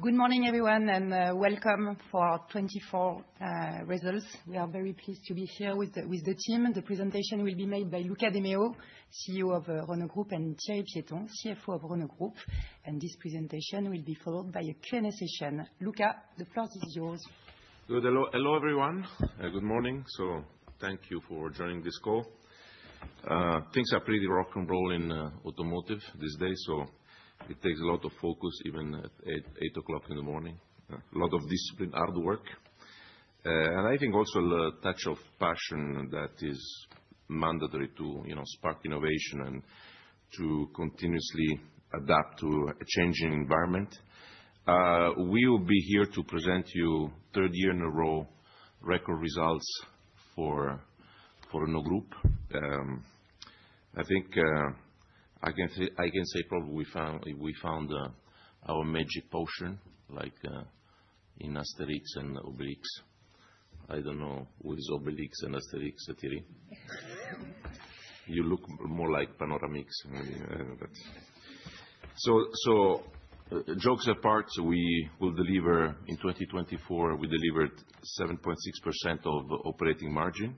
Good morning, everyone, and welcome for our 2024 Results. We are very pleased to be here with the team. The presentation will be made by Luca de Meo, CEO of Renault Group, and Thierry Piéton, CFO of Renault Group. This presentation will be followed by a Q&A session. Luca, the floor is yours. Hello, everyone. Good morning, so thank you for joining this call. Things are pretty rock and roll in automotive these days, so it takes a lot of focus, even at 8:00 A.M. A lot of discipline, hard work, and I think also a touch of passion that is mandatory to spark innovation and to continuously adapt to a changing environment. We will be here to present to you third year in a row record results for Renault Group. I think I can, I can say probably we found, we found our magic potion, like in Asterix and Obelix. I don't know what is Obelix and Asterix, Thierry. You look more like Panoramix. So so, jokes apart, in 2024, we delivered 7.6% of operating margin.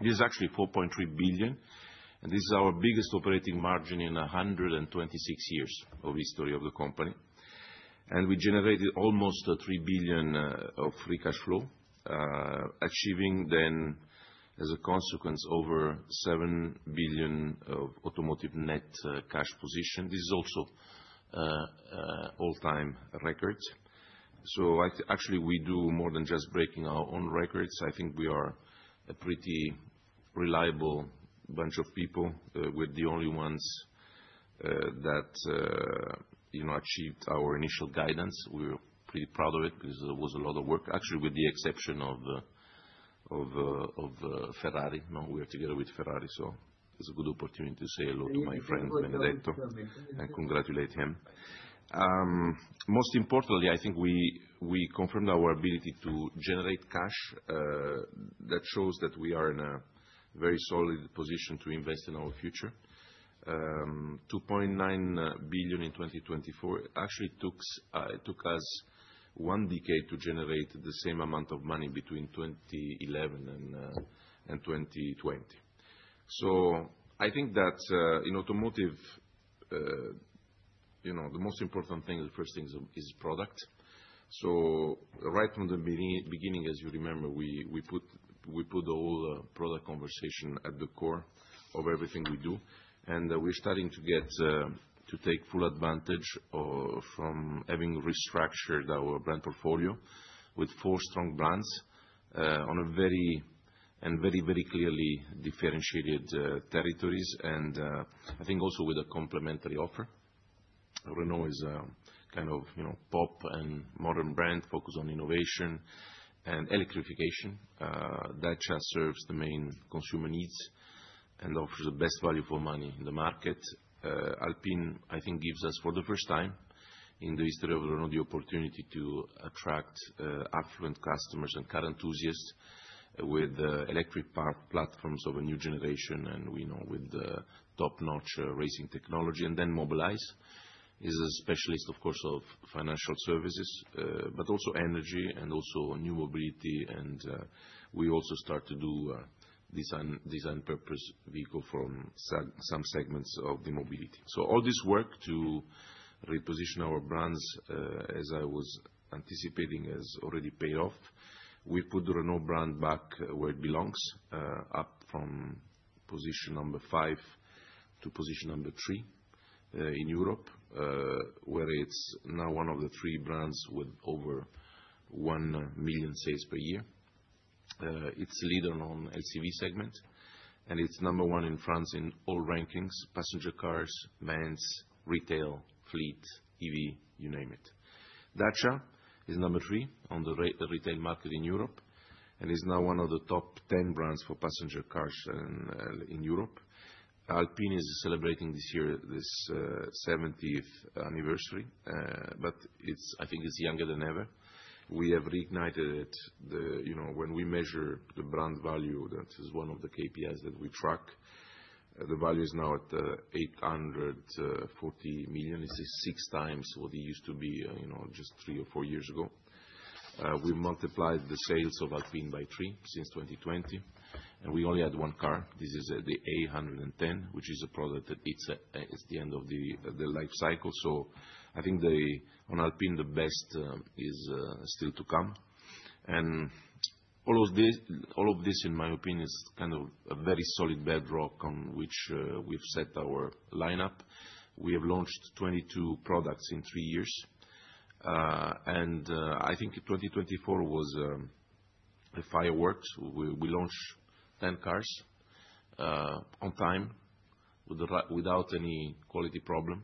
It is actually 4.3 billion. And this is our biggest operating margin in 126 years of history of the company. And we generated almost 3 billion of free cash flow, achieving then as a consequence over 7 billion of automotive net cash position. This is also an all-time record. So actually, we do more than just breaking our own records. I think we are a pretty reliable bunch of people. We're the only ones that achieved our initial guidance. We're pretty proud of it because there was a lot of work, so actually with the exception of Ferrari. We are together with Ferrari, so it's a good opportunity to say hello to my friend Benedetto and congratulate him. Most importantly, I think we we confirmed our ability to generate cash. That shows that we are in a very solid position to invest in our future. 2.9 billion in 2024 actually took took us one decade to generate the same amount of money between 2011 and 2020. So I think that in automotive, you know, the most important thing, the first thing is product. So right from the beginning, as you remember, we put, we put the whole product conversation at the core of everything we do. And we're starting to take full advantage from having restructured our brand portfolio with four strong brands on very, very clearly differentiated territories. And I think also with a complementary offer. Renault is a kind of pop and modern brand focused on innovation and electrification. That just serves the main consumer needs and offers the best value for money in the market. Alpine, I think, gives us for the first time in the history of Renault the opportunity to attract affluent customers and car enthusiasts with electric platforms of a new generation and you know, with top-notch racing technology. Then Mobilize is a specialist, of course, of financial services, but also energy and also new mobility. And we also start to do design design-purpose vehicles from some segments of the mobility. So all this work to reposition our brands, as I was anticipating, has already paid off. We put the Renault brand back where it belongs, up from position number five to position number three in Europe, where it's now one of the three brands with over one million sales per year. It's leading on the LCV segment, and it's number one in France in all rankings: passenger cars, vans, retail, fleet, EV, you name it. Dacia is number three on the retail market in Europe and is now one of the top 10 brands for passenger cars in Europe. Alpine is celebrating this year its 70th anniversary, but I think it's younger than ever. We have reignited it. When we measure the brand value, that is one of the KPIs that we track. The value is now at 840 million. It's six times what it used to be just three or four years ago. We've multiplied the sales of Alpine by three since 2020, and we only had one car. This is the A110, which is a product that hits the end of the life cycle. So I think on Alpine, the best is still to come, and all of this, all of this, in my opinion, is kind of a very solid bedrock on which we've set our lineup. We have launched 22 products in three years, and I think 2024 was a fireworks. We launched 10 cars on time without any quality problem,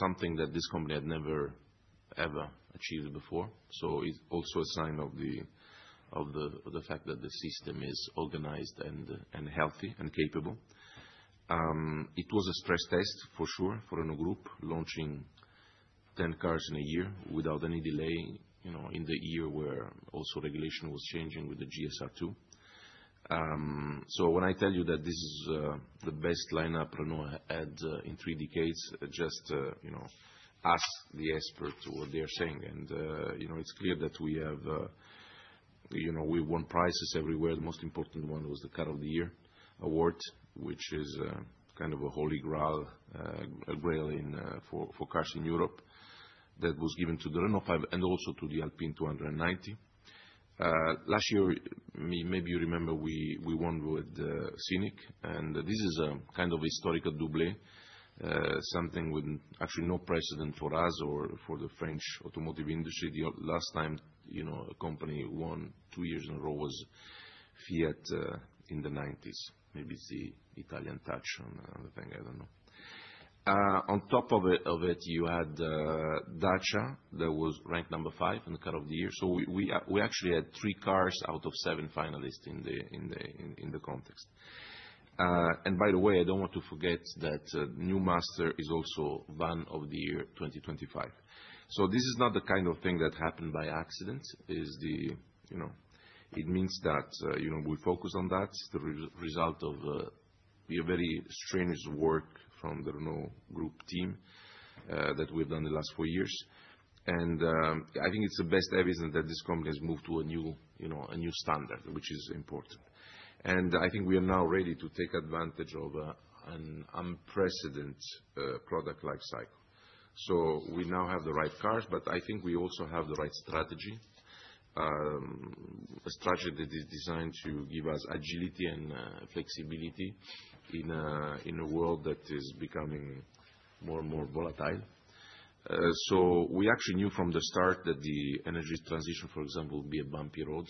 something that this company had never, ever achieved before. So it's also a sign of the fact that the system is organized and healthy and capable. It was a stress test, for sure, for Renault Group, launching 10 cars in a year without any delay in the year where also regulation was changing with the GSR2. So when I tell you that this is the best lineup Renault had in three decades, just, you know, ask the experts what they are saying, and it's clear that we won prizes everywhere. The most important one was the Car of the Year award, which is kind of a holy grail for cars in Europe that was given to the Renault 5 and also to the A290. Last year, maybe you remember, we won with Scenic, and this is kind of a historical doublet, something with actually no precedent for us or for the French automotive industry. The last time a company won two years in a row was Fiat in the 1990s. Maybe it's the Italian touch on the thing. I don't know. On top of it, you had Dacia that was ranked number five in the Car of the Year. So we actually had three cars out of seven finalists in the context. And by the way, I don't want to forget that New Master is also Van of the Year 2025. So this is not the kind of thing that happened by accident. It means that we focus on that. It's the result of a very strenuous work from the Renault Group team that we've done the last four years. And I think it's the best evidence that this company has moved to a new standard, which is important. And I think we are now ready to take advantage of an unprecedented product lifecycle. So we now have the right cars, but I think we also have the right strategy, a strategy that is designed to give us agility and flexibility in a world that is becoming more and more volatile. So we actually knew from the start that the energy transition, for example, would be a bumpy road.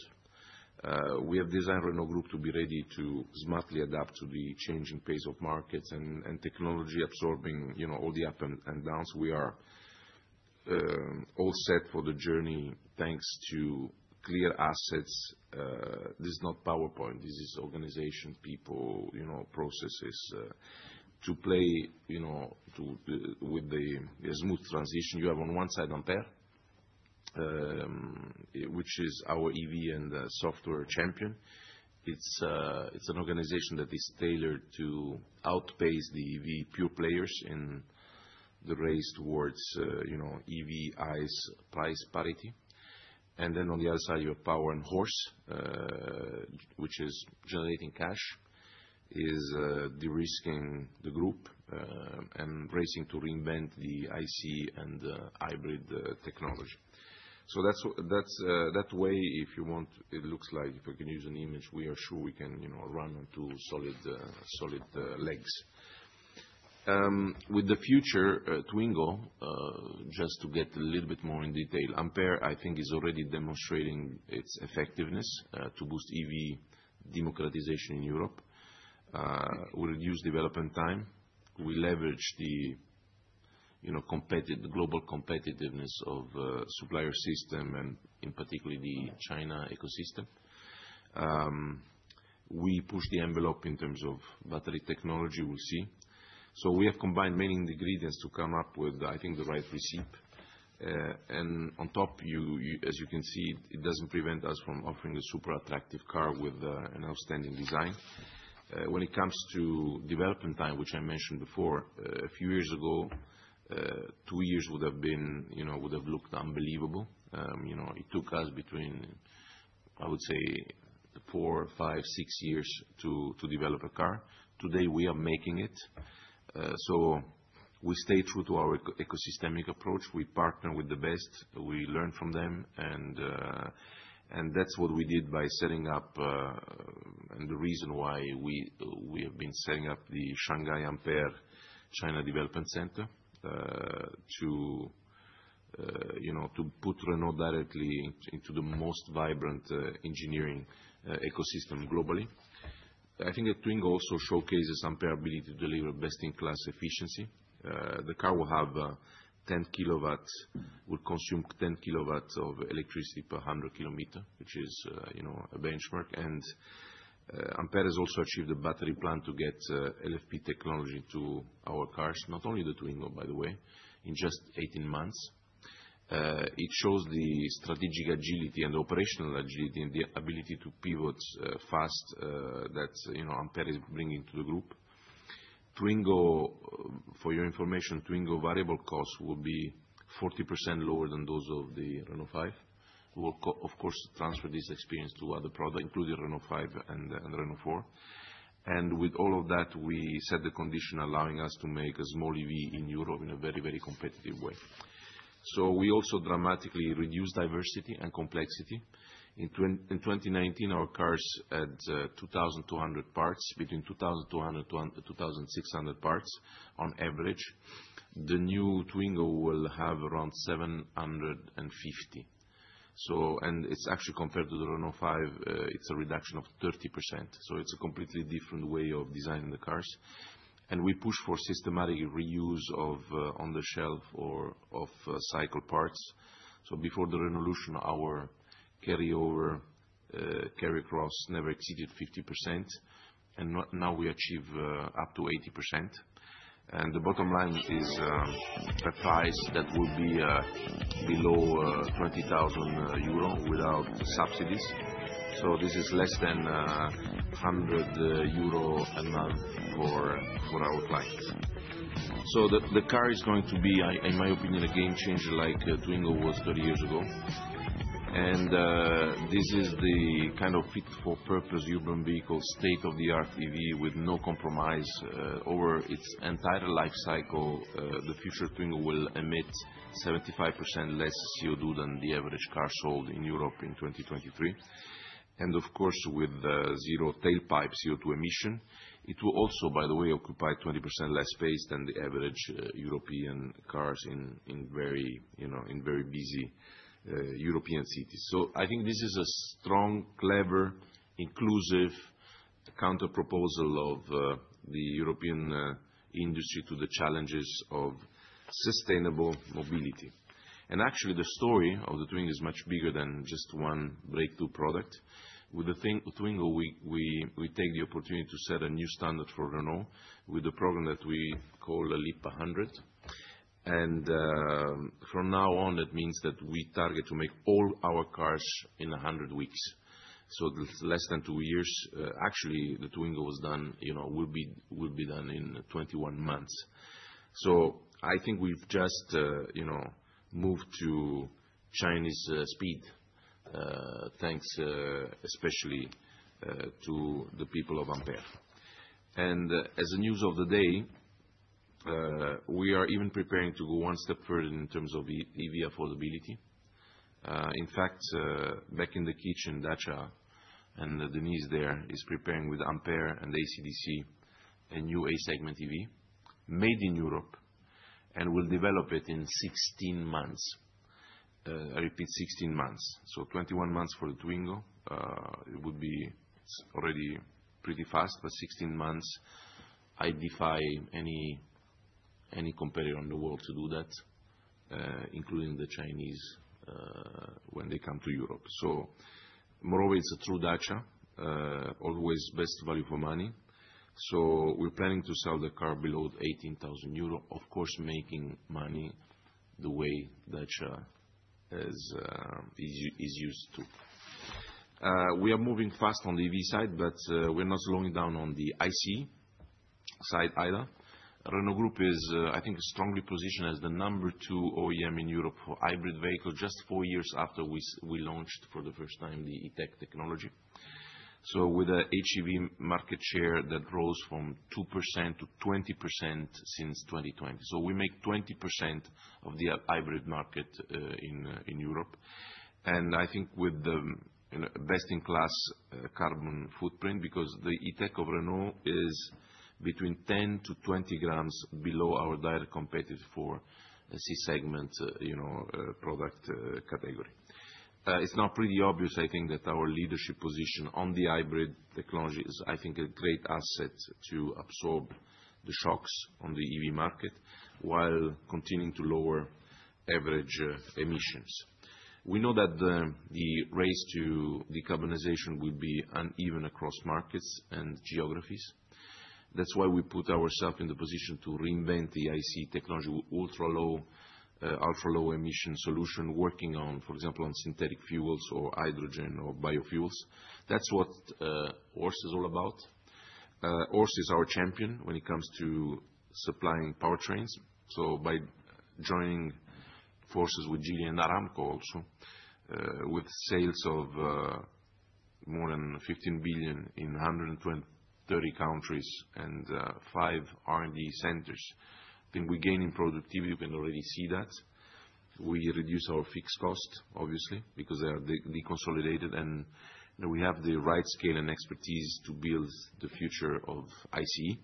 We have designed Renault Group to be ready to smartly adapt to the changing pace of markets and technology absorbing all the ups and downs. We are all set for the journey thanks to clear assets. This is not PowerPoint. This is organization, people, you know, processes to play, you know, with the smooth transition. You have on one side Ampere, which is our EV and software champion. It's an organization that is tailored to outpace the EV pure players in the race towards, you know, EV/ICE price parity. And then, on the other side, you have Power and Horse, which is generating cash, is de-risking the group, and racing to reinvent the ICE and hybrid technology. So that, that way, if you want, it looks like, if I can use an image, we are sure we can run on two solid solid legs. With the future Twingo, just to get a little bit more in detail, Ampere, I think, is already demonstrating its effectiveness to boost EV democratization in Europe. We reduce development time. We leverage the global, global competitiveness of the supplier system and, in particular, the China ecosystem. We push the envelope in terms of battery technology, we'll see. So we have combined many ingredients to come up with, I think, the right recipe. And on top, as you can see, it doesn't prevent us from offering a super attractive car with an outstanding design. When it comes to development time, which I mentioned before, a few years ago, two years would have been, you know, looked unbelievable. It took us between, I would say, four, five, six years to to develop a car. Today, we are making it. So we stay true to our ecosystemic approach. We partner with the best. We learn from them. And and that's what we did by setting up and the reason why we we have been setting up the Shanghai Ampere China Development Center to, you know, to put Renault directly into the most vibrant engineering ecosystem globally. I think that Twingo also showcases Ampere's ability to deliver best-in-class efficiency. The car will have 10 kilowatts, will consume 10 kilowatts of electricity per 100 kilometer, which is a benchmark. And Ampere has also achieved a battery plan to get LFP technology to our cars, not only the Twingo, by the way, in just 18 months. It shows the strategic agility and the operational agility and the ability to pivot fast that Ampere is bringing to the group. For your information, Twingo's variable cost will be 40% lower than those of the Renault 5. We will, of course, transfer this experience to other products, including Renault 5 and Renault 4, and with all of that, we set the condition allowing us to make a small EV in Europe in a very, very competitive way, so we also dramatically reduce diversity and complexity. In 2019, our cars had 2,200 parts, between 2,200 to 2,600 parts on average. The new Twingo will have around 750, and it's actually compared to the Renault 5, it's a reduction of 30%, so it's a completely different way of designing the cars, and we push for systematic reuse of off-the-shelf or off-cycle parts. So before the revolution, our carry-over, carry-cross never exceeded 50%. And now we achieve up to 80%. And the bottom line is the price that will be below 20,000 euro without subsidies. So this is less than 100 euro a month for our clients. So the car is going to be, in my opinion, a game changer like Twingo was 30 years ago. And this is the kind of fit-for-purpose urban vehicle, state-of-the-art EV with no compromise. Over its entire lifecycle, the future Twingo will emit 75% less CO2 than the average car sold in Europe in 2023. And of course, with zero tailpipe CO2 emission, it will also, by the way, occupy 20% less space than the average European cars in very, you know, in very busy European cities. So I think this is a strong, clever, inclusive counterproposal of the European industry to the challenges of sustainable mobility. And actually, the story of the Twingo is much bigger than just one breakthrough product. With the Twingo, we take the opportunity to set a new standard for Renault with a program that we call a LEAP 100. From now on, it means that we target to make all our cars in 100 weeks. So less than two years. Actually, the Twingo was done, will be done in 21 months. So I think we've just, you know, moved to Chinese speed thanks especially to the people of Ampere. And as the news of the day, we are even preparing to go one step further in terms of EV affordability. In fact, back in the kitchen, Dacia and Denis they're preparing with Ampere and ACDC a new A-segment EV made in Europe and will develop it in 16 months. I repeat, 16 months. So 21 months for the Twingo. It would be already pretty fast, but 16 months. I defy any competitor in the world to do that, including the Chinese when they come to Europe. So moreover, it's a true Dacia, always best value for money. So we're planning to sell the car below 18,000 euro, of course, making money the way Dacia is used to. We are moving fast on the EV side, but we're not slowing down on the ICE side either. Renault Group is, I think, strongly positioned as the number two OEM in Europe for hybrid vehicles just four years after we launched for the first time the E-Tech technology. With the HEV market share that rose from 2% to 20% since 2020, we make 20% of the hybrid market in Europe. And I think with the best-in-class carbon footprint because the E-Tech of Renault is between 10-20 grams below our direct competitor for the C-segment, you know, product category. It's now pretty obvious, I think, that our leadership position on the hybrid technology is, I think, a great asset to absorb the shocks on the EV market while continuing to lower average emissions. We know that the race to decarbonization will be uneven across markets and geographies. That's why we put ourselves in the position to reinvent the IC technology, ultra-low, ultra-low emission solution working on, for example, on synthetic fuels or hydrogen or biofuels. That's what Horse is all about. Horse is our champion when it comes to supplying powertrains. So by joining forces with Geely and Aramco also, with sales of more than 15 billion in 130 countries and five R&D centers, I think we're gaining productivity. We can already see that. We reduce our fixed cost, obviously, because they are deconsolidated. And we have the right scale and expertise to build the future of ICE.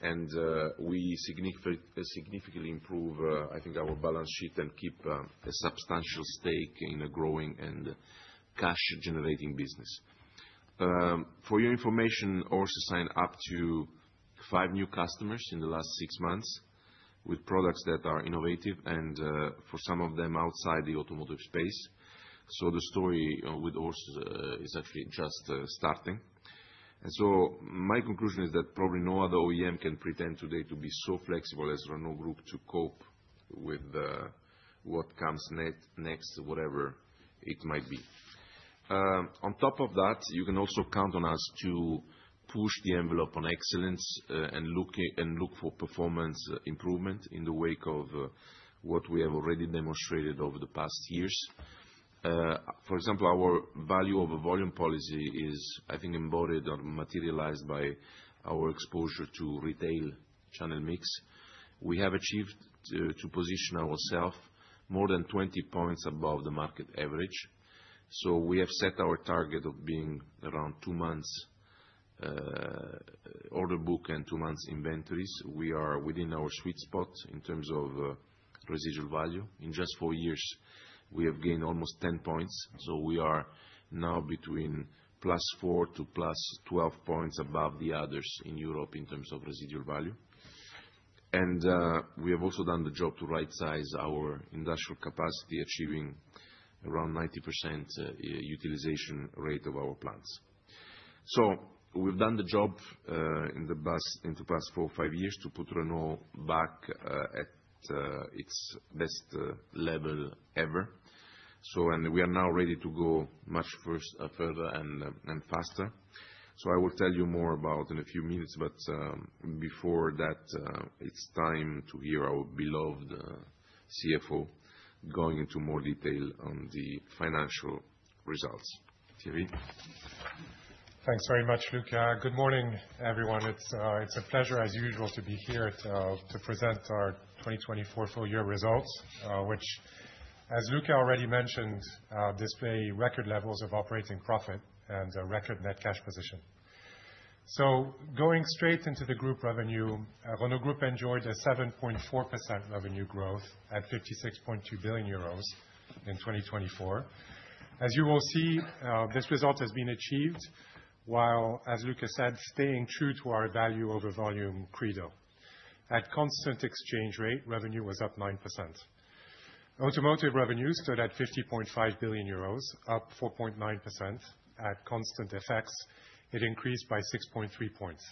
And we significantly improve, I think, our balance sheet and keep a substantial stake in a growing and cash-generating business. For your information, Horse has signed up to five new customers in the last six months with products that are innovative and for some of them outside the automotive space. So the story with Horse is actually just starting. And so my conclusion is that probably no other OEM can pretend today to be so flexible as Renault Group to cope with what comes next, whatever it might be. On top of that, you can also count on us to push the envelope on excellence and look for performance improvement in the wake of what we have already demonstrated over the past years. For example, our value over volume policy is, I think, embodied or materialized by our exposure to retail channel mix. We have achieved to position ourselves more than 20 points above the market average. So we have set our target of being around two months order book and two months inventories. We are within our sweet spot in terms of residual value. In just four years, we have gained almost 10 points. So we are now between plus 4 to plus 12 points above the others in Europe in terms of residual value. And we have also done the job to right-size our industrial capacity, achieving around 90% utilization rate of our plants. So we've done the job in the past four or five years to put Renault back at its best level ever. So and we are now ready to go much further and faster. So I will tell you more about in a few minutes. But before that, it's time to hear our beloved CFO going into more detail on the financial results. Thierry. Thanks very much, Luca. Good morning, everyone. It's a pleasure, as usual, to be here to present our 2024 full-year results, which, as Luca already mentioned, display record levels of operating profit and a record net cash position. So going straight into the group revenue, Renault Group enjoyed a 7.4% revenue growth at 56.2 billion euros in 2024. As you will see, this result has been achieved while, as Luca said, staying true to our value-over-volume credo. At constant exchange rate, revenue was up 9%. Automotive revenue stood at 50.5 billion euros, up 4.9%. At constant effects, it increased by 6.3 points.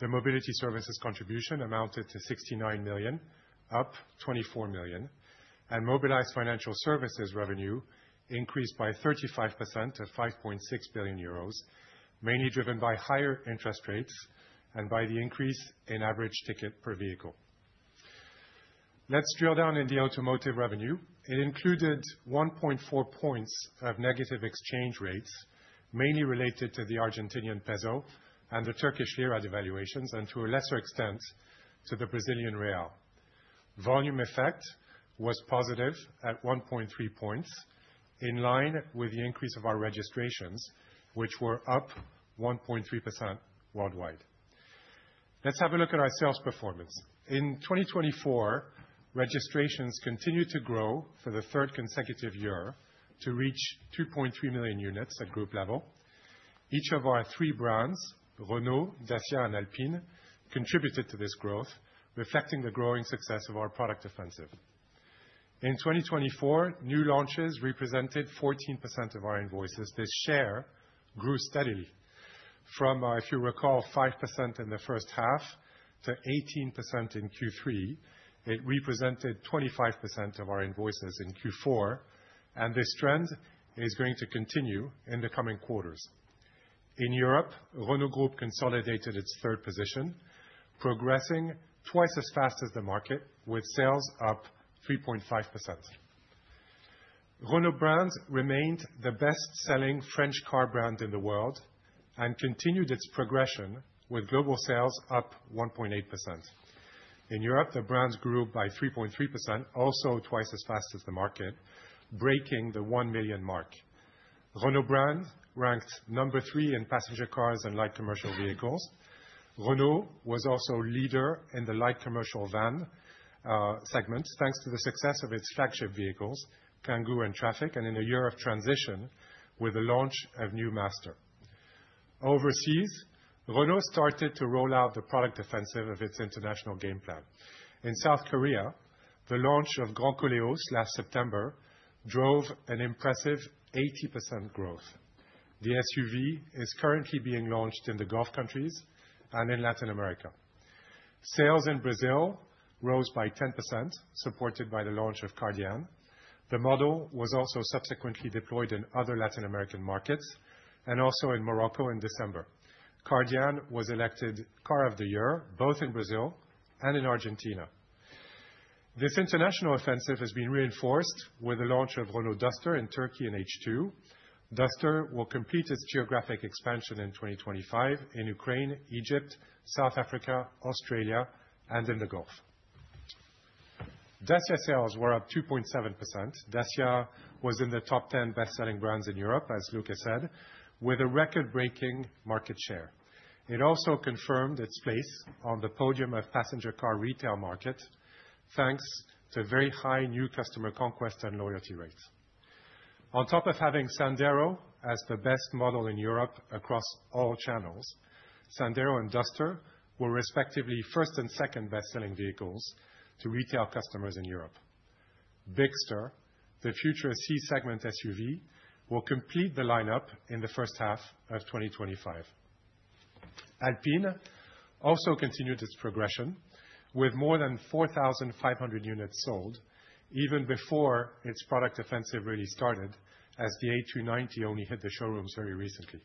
The Mobilize services contribution amounted to 69 million, up 24 million, and Mobilize Financial Services revenue increased by 35% to 5.6 billion euros, mainly driven by higher interest rates and by the increase in average ticket per vehicle. Let's drill down in the automotive revenue. It included 1.4 points of negative exchange rates, mainly related to the Argentinian peso and the Turkish lira devaluations, and to a lesser extent to the Brazilian real. Volume effect was positive at 1.3 points, in line with the increase of our registrations, which were up 1.3% worldwide. Let's have a look at our sales performance. In 2024, registrations continued to grow for the third consecutive year to reach 2.3 million units at group level. Each of our three brands, Renault, Dacia, and Alpine, contributed to this growth, reflecting the growing success of our product offensive. In 2024, new launches represented 14% of our invoices. This share grew steadily from, if you recall, 5% in the first half to 18% in Q3. It represented 25% of our invoices in Q4, and this trend is going to continue in the coming quarters. In Europe, Renault Group consolidated its third position, progressing twice as fast as the market, with sales up 3.5%. Renault Brands remained the best-selling French car brand in the world and continued its progression, with global sales up 1.8%. In Europe, the brands grew by 3.3%, also twice as fast as the market, breaking the 1 million mark. Renault Brands ranked number three in passenger cars and light commercial vehicles. Renault was also leader in the light commercial van segments thanks to the success of its flagship vehicles, Kangoo and Trafic, and in a year of transition with the launch of new Master. Overseas, Renault started to roll out the product offensive of its International Game Plan. In South Korea, the launch of Grand Koleos last September drove an impressive 80% growth. The SUV is currently being launched in the Gulf countries and in Latin America. Sales in Brazil rose by 10%, supported by the launch of Kardian. The model was also subsequently deployed in other Latin American markets and also in Morocco in December. Kardian was elected Car of the Year, both in Brazil and in Argentina. This international offensive has been reinforced with the launch of Renault Duster in Turkey in H2. Duster will complete its geographic expansion in 2025 in Ukraine, Egypt, South Africa, Australia, and in the Gulf. Dacia sales were up 2.7%. Dacia was in the top 10 best-selling brands in Europe, as Luca said, with a record-breaking market share. It also confirmed its place on the podium of passenger car retail market thanks to very high new customer conquest and loyalty rates. On top of having Sandero as the best model in Europe across all channels, Sandero and Duster were respectively first and second best-selling vehicles to retail customers in Europe. Bigster, the future C-segment SUV, will complete the lineup in the first half of 2025. Alpine also continued its progression with more than 4,500 units sold, even before its product offensive really started, as the A290 only hit the showrooms very recently.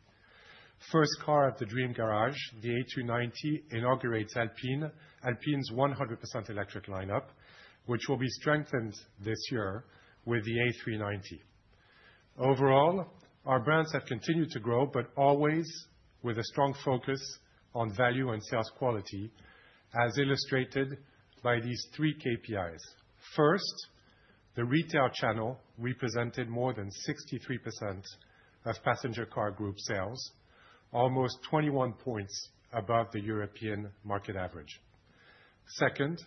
First car of the Dream Garage, the A290 inaugurates Alpine's 100% electric lineup, which will be strengthened this year with the A390. Overall, our brands have continued to grow, but always with a strong focus on value and sales quality, as illustrated by these three KPIs. First, the retail channel represented more than 63% of passenger car group sales, almost 21 points above the European market average. Second,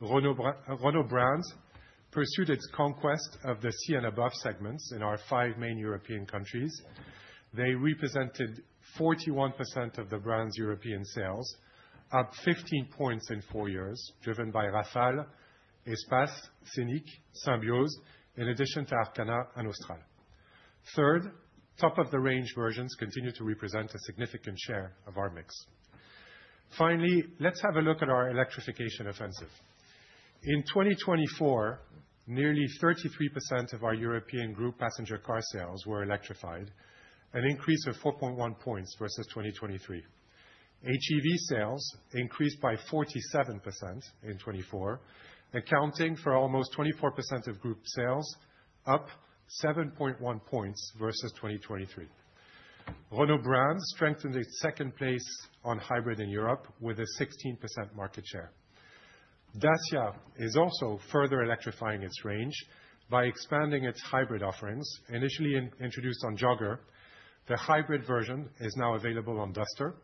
Renault Brands pursued its conquest of the C and above segments in our five main European countries. They represented 41% of the brand's European sales, up 15 points in four years, driven by Rafale, Espace, Scenic, Symbioz, in addition to Arkana and Austral. Third, top-of-the-range versions continue to represent a significant share of our mix. Finally, let's have a look at our electrification offensive. In 2024, nearly 33% of our European group passenger car sales were electrified, an increase of 4.1 points versus 2023. HEV sales increased by 47% in 2024, accounting for almost 24% of group sales, up 7.1 points versus 2023. Renault Brands strengthened its second place on hybrid in Europe with a 16% market share. Dacia is also further electrifying its range by expanding its hybrid offerings. Initially introduced on Jogger, the hybrid version is now available on Duster.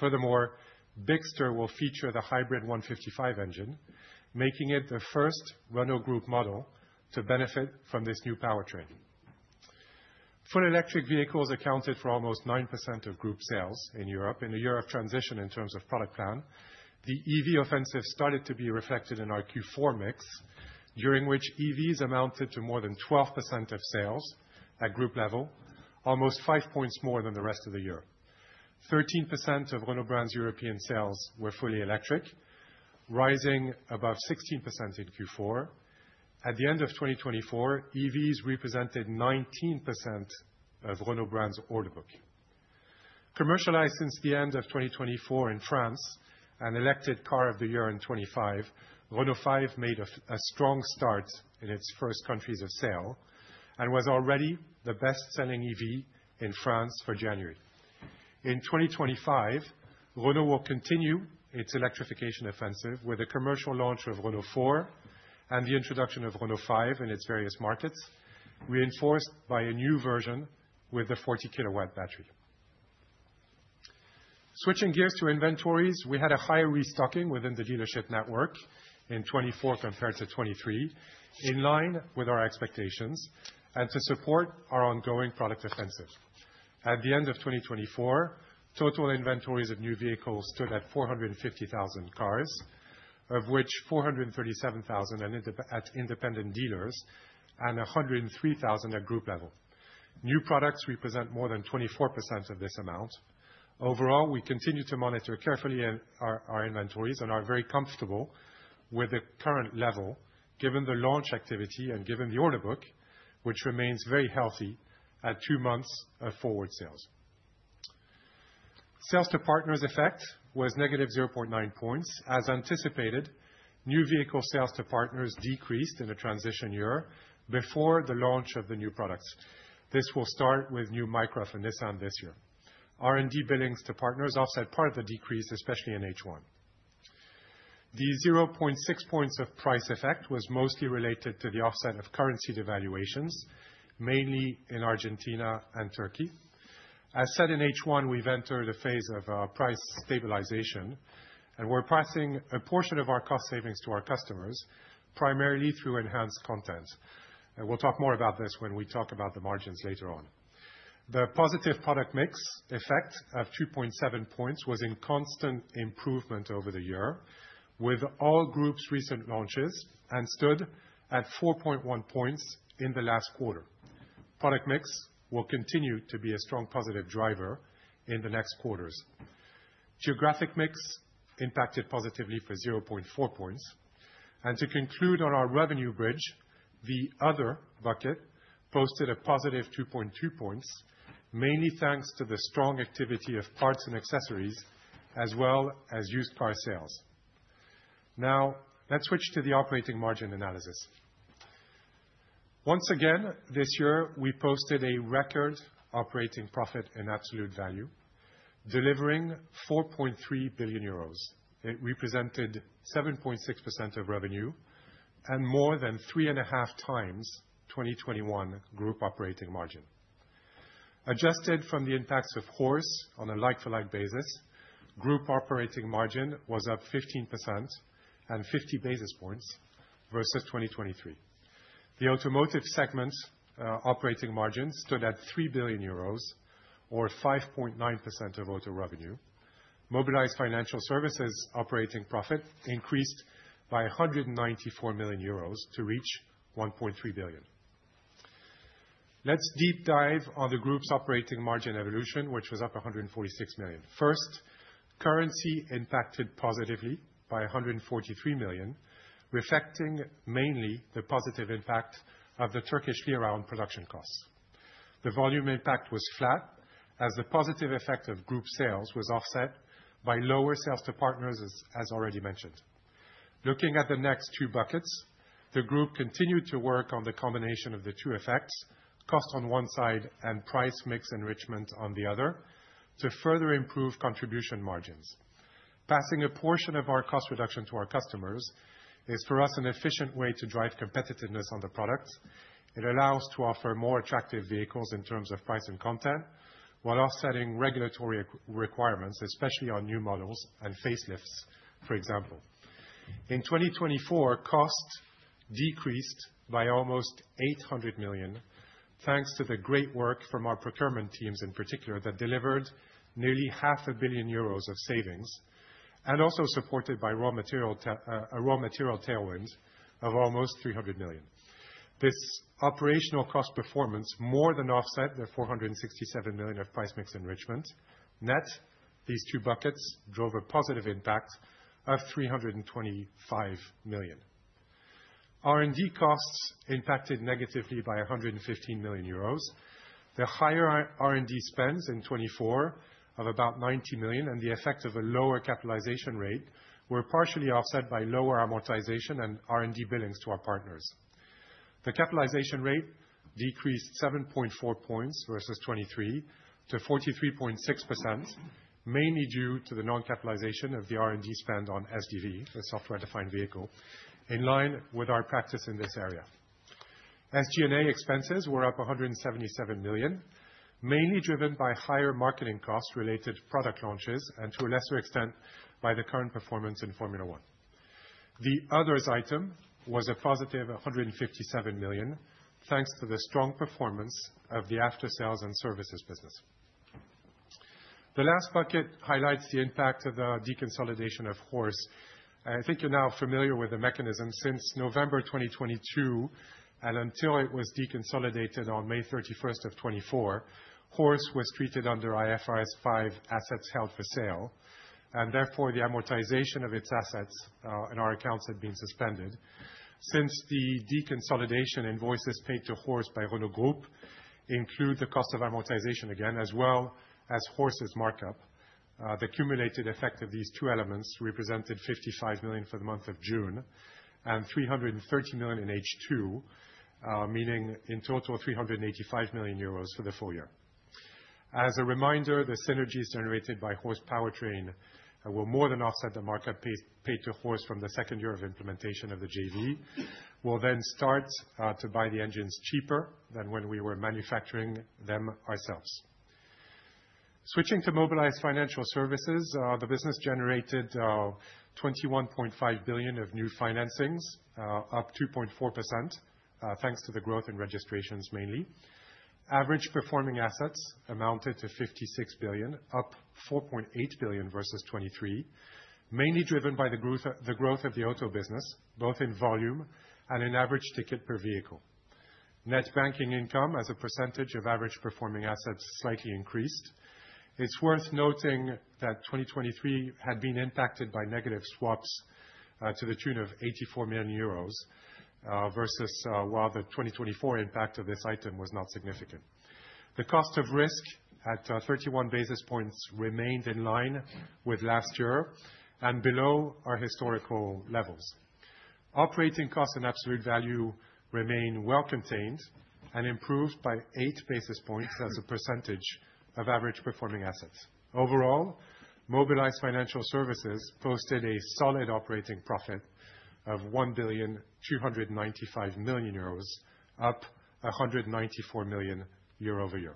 Furthermore, Bigster will feature the hybrid 155 engine, making it the first Renault Group model to benefit from this new powertrain. Full electric vehicles accounted for almost 9% of group sales in Europe. In a year of transition in terms of product plan, the EV offensive started to be reflected in our Q4 mix, during which EVs amounted to more than 12% of sales at group level, almost 5 points more than the rest of the year. 13% of Renault Brands' European sales were fully electric, rising above 16% in Q4. At the end of 2024, EVs represented 19% of Renault Brands' order book. Commercialized since the end of 2024 in France and elected Car of the Year in 2025, Renault 5 made a strong start in its first countries of sale and was already the best-selling EV in France for January. In 2025, Renault will continue its electrification offensive with the commercial launch of Renault 4 and the introduction of Renault 5 in its various markets, reinforced by a new version with the 40-kilowatt battery. Switching gears to inventories, we had a high restocking within the dealership network in 2024 compared to 2023, in line with our expectations and to support our ongoing product offensive. At the end of 2024, total inventories of new vehicles stood at 450,000 cars, of which 437,000 at independent dealers and 103,000 at group level. New products represent more than 24% of this amount. Overall, we continue to monitor carefully our inventories and are very comfortable with the current level, given the launch activity and given the order book, which remains very healthy at two months of forward sales. Sales to partners effect was negative 0.9 points. As anticipated, new vehicle sales to partners decreased in a transition year before the launch of the new products. This will start with new financing this year. R&D billings to partners offset part of the decrease, especially in H1. The 0.6 points of price effect was mostly related to the offset of currency devaluations, mainly in Argentina and Turkey. As said in H1, we've entered a phase of price stabilization, and we're passing a portion of our cost savings to our customers, primarily through enhanced content, and we'll talk more about this when we talk about the margins later on. The positive product mix effect of 2.7 points was in constant improvement over the year with all groups' recent launches and stood at 4.1 points in the last quarter. Product mix will continue to be a strong positive driver in the next quarters. Geographic mix impacted positively for 0.4 points, and to conclude on our revenue bridge, the other bucket posted a positive 2.2 points, mainly thanks to the strong activity of parts and accessories, as well as used car sales. Now, let's switch to the operating margin analysis. Once again, this year, we posted a record operating profit in absolute value, delivering 4.3 billion euros. It represented 7.6% of revenue and more than three and a half times 2021 group operating margin. Adjusted from the impacts of Horse on a like-for-like basis, group operating margin was up 15% and 50 basis points versus 2023. The automotive segment operating margin stood at 3 billion euros, or 5.9% of auto revenue. Mobilize Financial Services operating profit increased by 194 million euros to reach 1.3 billion. Let's deep dive on the group's operating margin evolution, which was up 146 million. First, currency impacted positively by 143 million, reflecting mainly the positive impact of the Turkish lira on production costs. The volume impact was flat, as the positive effect of group sales was offset by lower sales to partners, as already mentioned. Looking at the next two buckets, the group continued to work on the combination of the two effects, cost on one side and price mix enrichment on the other, to further improve contribution margins. Passing a portion of our cost reduction to our customers is, for us, an efficient way to drive competitiveness on the product. It allows us to offer more attractive vehicles in terms of price and content while offsetting regulatory requirements, especially on new models and facelifts, for example. In 2024, cost decreased by almost 800 million, thanks to the great work from our procurement teams, in particular, that delivered nearly 500 million euros of savings and also supported by raw material tailwinds of almost 300 million. This operational cost performance more than offset the 467 million of price mix enrichment. Net, these two buckets drove a positive impact of 325 million. R&D costs impacted negatively by 115 million euros. The higher R&D spends in 2024 of about 90 million and the effect of a lower capitalization rate were partially offset by lower amortization and R&D billings to our partners. The capitalization rate decreased 7.4 points versus 2023 to 43.6%, mainly due to the non-capitalization of the R&D spend on SDV, the software-defined vehicle, in line with our practice in this area. SG&A expenses were up 177 million, mainly driven by higher marketing costs related to product launches and, to a lesser extent, by the current performance in Formula 1. The others item was a positive 157 million, thanks to the strong performance of the after-sales and services business. The last bucket highlights the impact of the deconsolidation of Horse. I think you're now familiar with the mechanism. Since November 2022 and until it was deconsolidated on May 31st of 2024, Horse was treated under IFRS 5 assets held for sale, and therefore the amortization of its assets in our accounts had been suspended. Since the deconsolidation invoices paid to Horse by Renault Group include the cost of amortization again, as well as Horse's markup, the cumulated effect of these two elements represented 55 million for the month of June and 330 million in H2, meaning in total 385 million euros for the full year. As a reminder, the synergies generated by Horse Powertrain will more than offset the markup paid to Horse from the second year of implementation of the JV. We'll then start to buy the engines cheaper than when we were manufacturing them ourselves. Switching to Mobilize Financial Services, the business generated 21.5 billion of new financings, up 2.4%, thanks to the growth in registrations, mainly. Average performing assets amounted to 56 billion, up 4.8 billion versus 2023, mainly driven by the growth of the auto business, both in volume and in average ticket per vehicle. Net banking income as a percentage of average performing assets slightly increased. It's worth noting that 2023 had been impacted by negative swaps to the tune of 84 million euros versus, while the 2024 impact of this item was not significant. The cost of risk at 31 basis points remained in line with last year and below our historical levels. Operating costs in absolute value remain well contained and improved by 8 basis points as a percentage of average performing assets. Overall, Mobilize Financial Services posted a solid operating profit of 1,295 million euros, up 194 million year over year.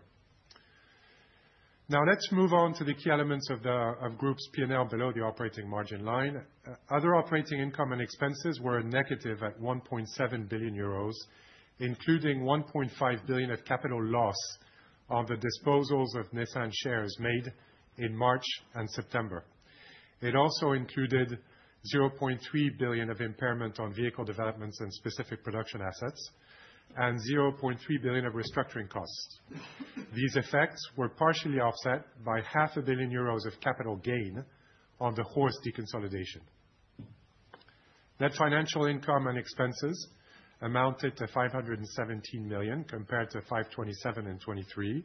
Now, let's move on to the key elements of the group's P&L below the operating margin line. Other operating income and expenses were negative at 1.7 billion euros, including 1.5 billion of capital loss on the disposals of Nissan shares made in March and September. It also included 0.3 billion of impairment on vehicle developments and specific production assets and 0.3 billion of restructuring costs. These effects were partially offset by 0.5 billion euros of capital gain on the Horse deconsolidation. Net financial income and expenses amounted to 517 million compared to 527 million in 2023.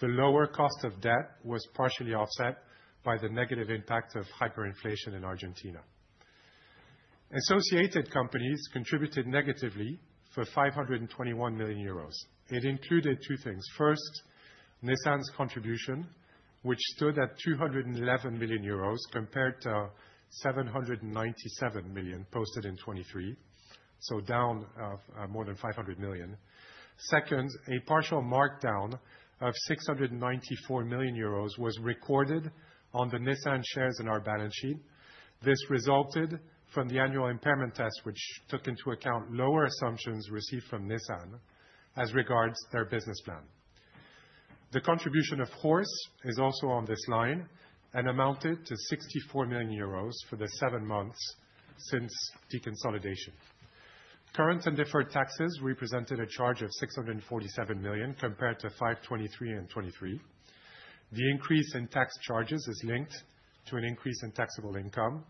The lower cost of debt was partially offset by the negative impact of hyperinflation in Argentina. Associated companies contributed negatively for 521 million euros. It included two things. First, Nissan's contribution, which stood at 211 million euros compared to 797 million posted in 2023, so down more than 500 million. Second, a partial markdown of 694 million euros was recorded on the Nissan shares in our balance sheet. This resulted from the annual impairment test, which took into account lower assumptions received from Nissan as regards their business plan. The contribution of Horse is also on this line and amounted to 64 million euros for the seven months since deconsolidation. Current and deferred taxes represented a charge of 647 million compared to 523 in 2023. The increase in tax charges is linked to an increase in taxable income.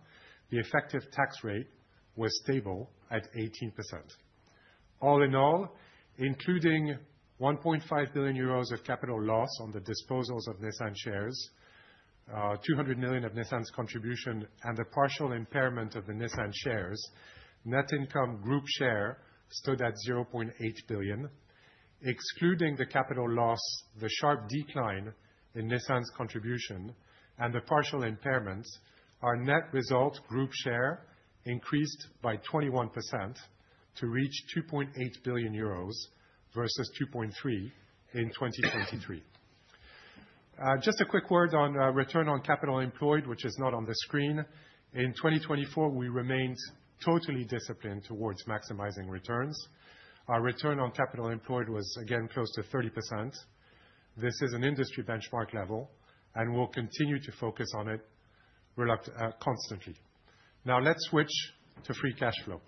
The effective tax rate was stable at 18%. All in all, including 1.5 billion euros of capital loss on the disposals of Nissan shares, 200 million of Nissan's contribution, and the partial impairment of the Nissan shares, net income group share stood at 0.8 billion. Excluding the capital loss, the sharp decline in Nissan's contribution and the partial impairments, our net result group share increased by 21% to reach 2.8 billion euros versus 2.3 billion in 2023. Just a quick word on return on capital employed, which is not on the screen. In 2024, we remained totally disciplined towards maximizing returns. Our return on capital employed was again close to 30%. This is an industry benchmark level and will continue to focus on it constantly. Now, let's switch to free cash flow.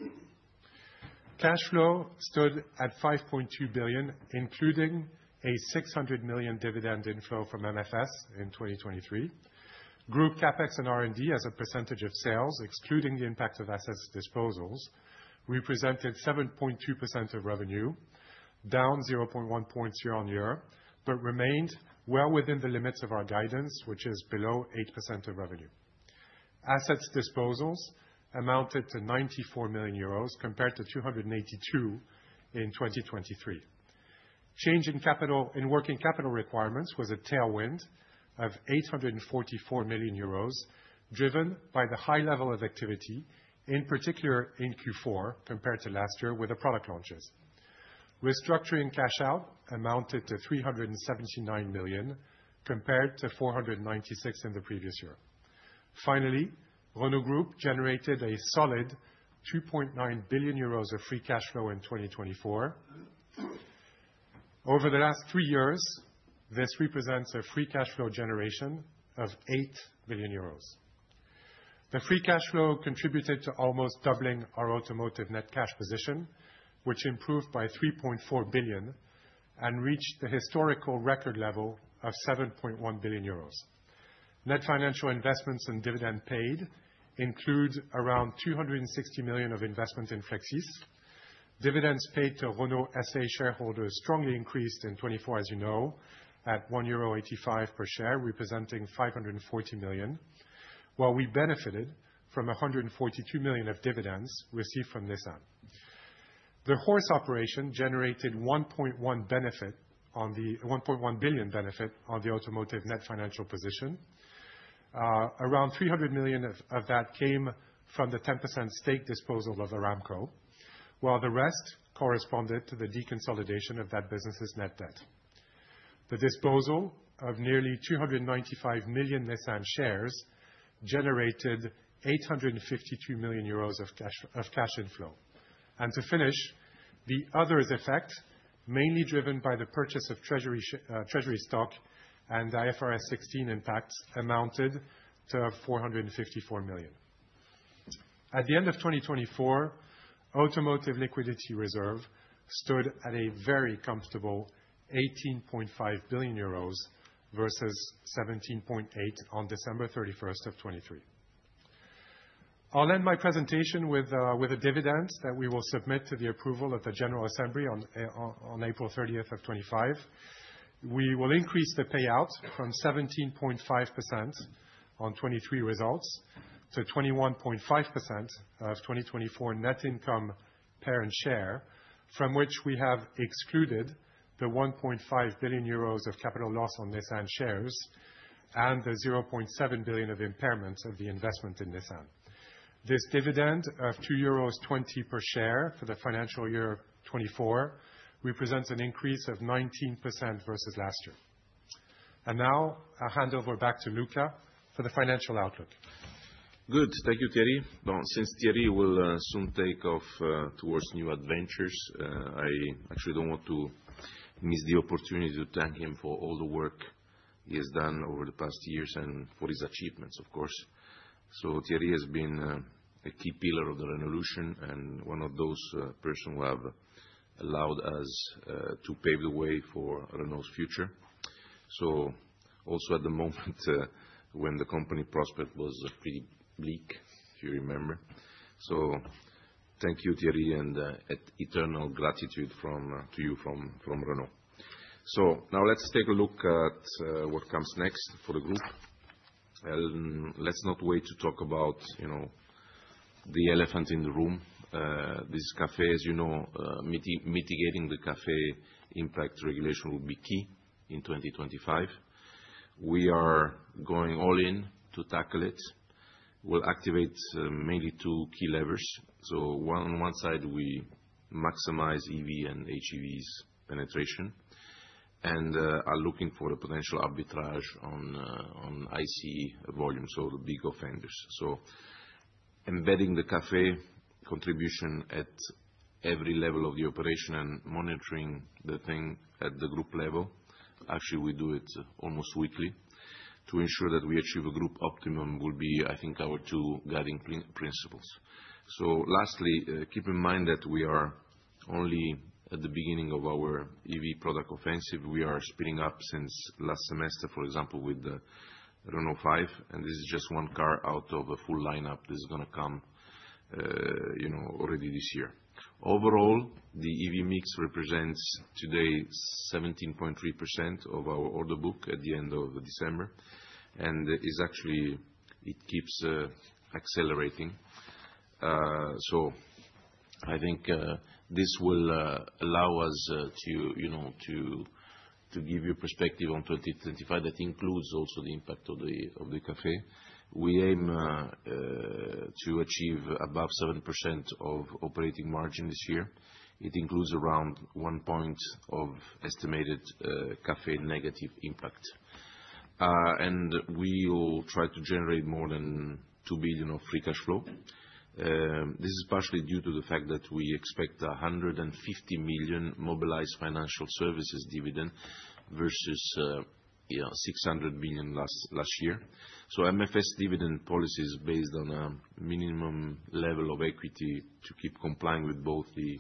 Cash flow stood at 5.2 billion, including a 600 million dividend inflow from MFS in 2023. Group CapEx and R&D as a percentage of sales, excluding the impact of assets disposals, represented 7.2% of revenue, down 0.1 points year on year, but remained well within the limits of our guidance, which is below 8% of revenue. Assets disposals amounted to 94 million euros compared to 282 million in 2023. Change capital in working capital requirements was a tailwind of 844 million euros, driven by the high level of activity, in particular in Q4 compared to last year with the product launches. Restructuring cash out amounted to 379 million compared to 496 million in the previous year. Finally, Renault Group generated a solid 2.9 billion euros of free cash flow in 2024. Over the last three years, this represents a free cash flow generation of 8 billion euros. The free cash flow contributed to almost doubling our automotive net cash position, which improved by 3.4 billion and reached the historical record level of 7.1 billion euros. Net financial investments and dividend paid include around 260 million of investment in Flexis. Dividends paid to Renault SA shareholders strongly increased in 2024, as you know, at 1.85 euro per share, representing 540 million, while we benefited from 142 million of dividends received from Nissan. The Horse operation generated 1.1 billion benefit on the automotive net financial position. Around 300 million of that came from the 10% stake disposal of Aramco, while the rest corresponded to the deconsolidation of that business's net debt. The disposal of nearly 295 million Nissan shares generated 852 million euros of cash inflow, and to finish, the other effects, mainly driven by the purchase of Treasury stock and IFRS 16 impacts, amounted to 454 million. At the end of 2024, automotive liquidity reserve stood at a very comfortable 18.5 billion euros versus 17.8 billion on December 31st of 2023. I'll end my presentation with a dividend that we will submit to the approval of the General Assembly on April 30th of 2025. We will increase the payout from 17.5% on 2023 results to 21.5% of 2024 net income parent share, from which we have excluded the 1.5 billion euros of capital loss on Nissan shares and the 0.7 billion of impairment of the investment in Nissan. This dividend of 2.20 euros per share for the financial year 2024 represents an increase of 19% versus last year. And now, I'll hand over back to Luca for the financial outlook. Good. Thank you, Thierry. Since Thierry will soon take off towards new adventures, I actually don't want to miss the opportunity to thank him for all the work he has done over the past years and for his achievements, of course. Thierry has been a key pillar of the revolution and one of those persons who have allowed us to pave the way for Renault's future, so also at the moment when the company prospect was pretty bleak, if you remember. So thank you, Thierry, and eternal gratitude to you from Renault. So now let's take a look at what comes next for the group. And let's not wait to talk about the elephant in the room. This CAFE, as you know. Mitigating the CAFE impact regulation will be key in 2025. We are going all in to tackle it. We'll activate mainly two key levers. So on one side, we maximize EV and HEVs penetration and are looking for the potential arbitrage on ICE volume, so the big offenders. So embedding the CAFE contribution at every level of the operation and monitoring the thing at the group level, actually we do it almost weekly to ensure that we achieve a group optimum will be, I think, our two guiding principles. So lastly, keep in mind that we are only at the beginning of our EV product offensive. We are speeding up since last semester, for example, with the Renault 5, and this is just one car out of a full lineup that is going to come already this year. Overall, the EV mix represents today 17.3% of our order book at the end of December, and it's actually it keeps accelerating. So I think this will allow us to, you know, to give you a perspective on 2025 that includes also the impact of the CAFE. We aim to achieve above 7% of operating margin this year. It includes around 1 point of estimated CAFE negative impact. And we will try to generate more than 2 billion of free cash flow. This is partially due to the fact that we expect 150 million Mobilize Financial Services dividend versus 600 million last year. So MFS dividend policy is based on a minimum level of equity to keep complying with both the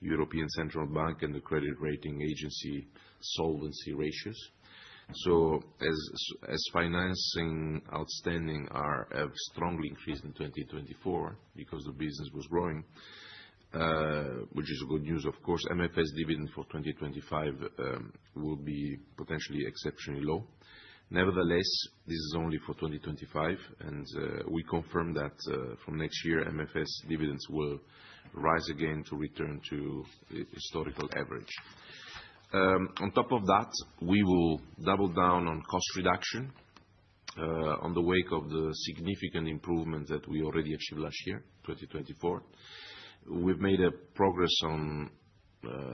European Central Bank and the credit rating agency solvency ratios. So as financing outstanding have strongly increased in 2024 because the business was growing, which is good news, of course, MFS dividend for 2025 will be potentially exceptionally low. Nevertheless, this is only for 2025, and we confirm that from next year, MFS dividends will rise again to return to historical average. On top of that, we will double down on cost reduction in the wake of the significant improvement that we already achieved last year, 2024. We've made progress on,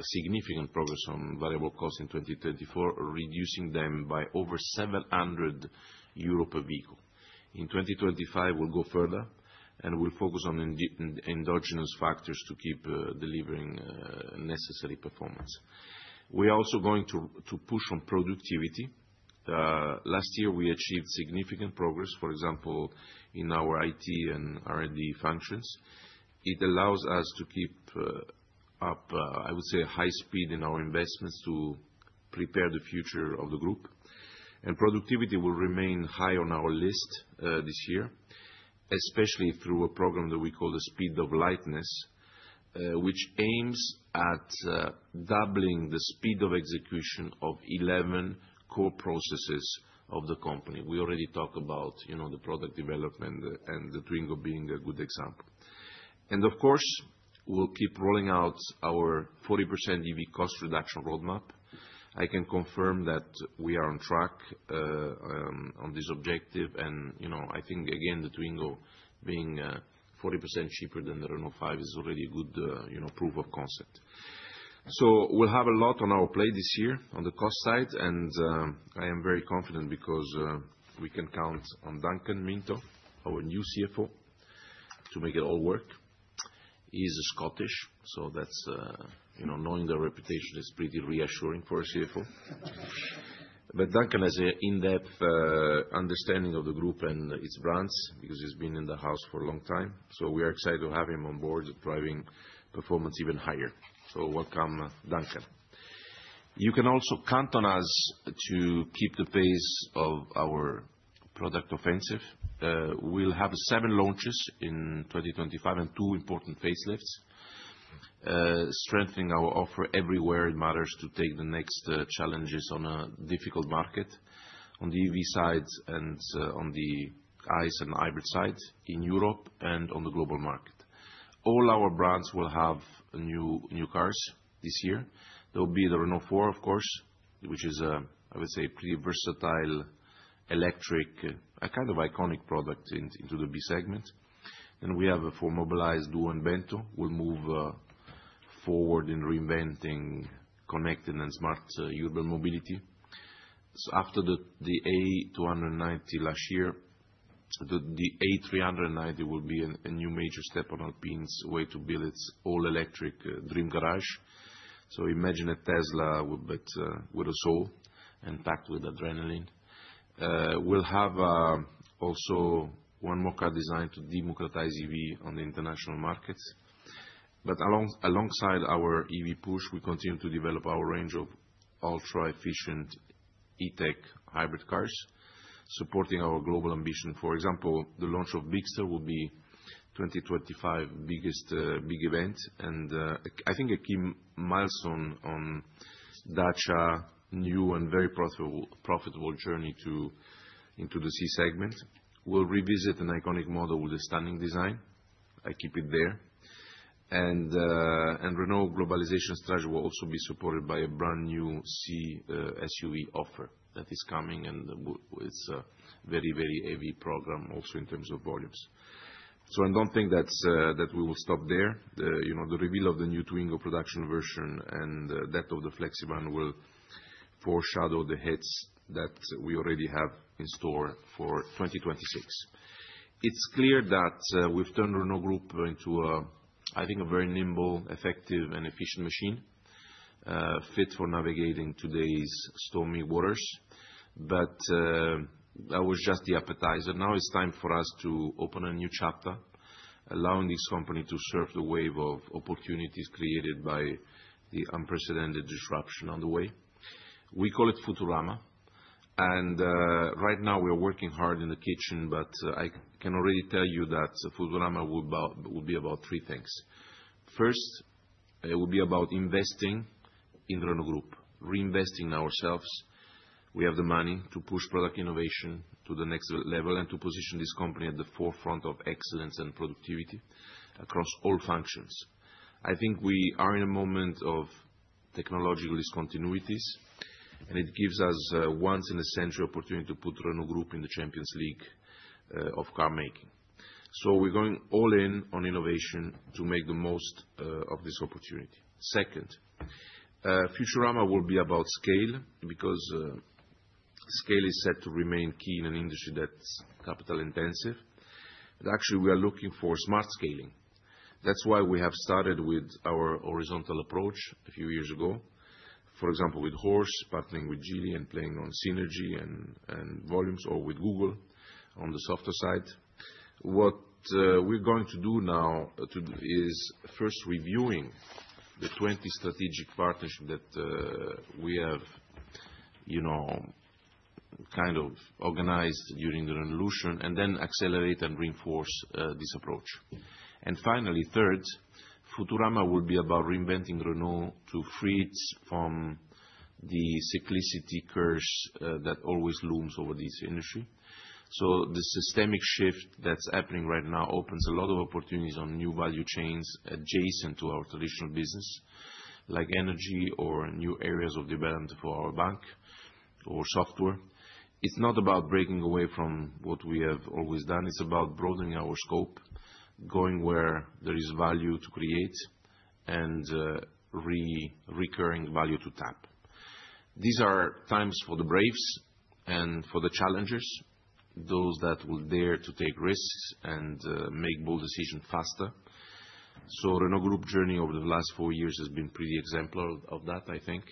significant progress on variable costs in 2024, reducing them by over 700 euro per vehicle. In 2025, we'll go further and we'll focus on endogenous factors to keep delivering necessary performance. We are also going to push on productivity. Last year, we achieved significant progress, for example, in our IT and R&D functions. It allows us to keep up, I would say, high speed in our investments to prepare the future of the group. And productivity will remain high on our list this year, especially through a program that we call the Speed of Lightness, which aims at doubling the speed of execution of 11 core processes of the company. We already talk about the product development and the Twingo being a good example. And of course, we'll keep rolling out our 40% EV cost reduction roadmap. I can confirm that we are on track on this objective, and, you know, I think, again, the Twingo being 40% cheaper than the Renault 5 is already a good proof of concept. So we'll have a lot on our plate this year on the cost side, and I am very confident because we can count on Duncan Minto, our new CFO, to make it all work. He's Scottish, so that's, knowing their reputation is pretty reassuring for a CFO. But Duncan has an in-depth understanding of the group and its brands because he's been in the house for a long time. So we are excited to have him on board driving performance even higher. So welcome, Duncan. You can also count on us to keep the pace of our product offensive. We'll have seven launches in 2025 and two important facelifts, strengthening our offer everywhere it matters to take the next challenges on a difficult market on the EV side and on the ICE and hybrid side in Europe and on the global market. All our brands will have new cars this year. There will be the Renault 4, of course, which is, I would say, a pretty versatile electric, a kind of iconic product into the B-segment. And we have for Mobilize, Duo, and Bento will move forward in reinventing connected and smart urban mobility. So after the A290 last year, the A390 will be a new major step on Alpine's way to build its all-electric Dream Garage. So imagine a Tesla with a soul and packed with adrenaline. We'll have also one more car designed to democratize EV on the international markets. But along alongside our EV push, we continue to develop our range of ultra-efficient E-Tech hybrid cars, supporting our global ambition. For example, the launch of Bigster will be 2025's biggest big event, and I think a key milestone on on Dacia's new and very profitable journey into the C segment. We'll revisit an iconic model with a stunning design. I keep it there. And Renault Globalization Strategy will also be supported by a brand new C SUV offer that is coming, and it's a very, very heavy program also in terms of volumes. So I don't think that we will stop there. The reveal of the new Twingo production version and that of the FlexEVan will foreshadow the hits that we already have in store for 2026. It's clear that we've turned Renault Group into, I think, a very nimble, effective, and efficient machine fit for navigating today's stormy waters, but that was just the appetizer. Now it's time for us to open a new chapter, allowing this company to surf the wave of opportunities created by the unprecedented disruption on the way. We call it Futurama, and right now, we are working hard in the kitchen, but I can already tell you that Futurama will be about three things. First, it will be about investing in Renault Group, reinvesting in ourselves. We have the money to push product innovation to the next level and to position this company at the forefront of excellence and productivity across all functions. I think we are in a moment of technological discontinuities, and it gives us a once-in-a-century opportunity to put Renault Group in the Champions League of car making. So we're going all in on innovation to make the most of this opportunity. Second, Futurama will be about scale because scale is set to remain key in an industry that's capital-intensive. Actually, we are looking for smart scaling. That's why we have started with our horizontal approach a few years ago, for example, with Horse, partnering with Geely and playing on synergy and volumes, or with Google on the software side. What we're going to do now is first reviewing the 20 strategic partnerships that we have, you know, kind of organized during the revolution, and then accelerate and reinforce this approach. And finally, third, Futurama will be about reinventing Renault to free it from the cyclicity curse that always looms over this industry. So the systemic shift that's happening right now opens a lot of opportunities on new value chains adjacent to our traditional business, like energy or new areas of development for our bank or software. It's not about breaking away from what we have always done. It's about broadening our scope, going where there is value to create, and recurring value to tap. These are times for the braves and for the challengers, those that will dare to take risks and make bold decisions faster. So Renault Group's journey over the last four years has been pretty exemplary of that, I think.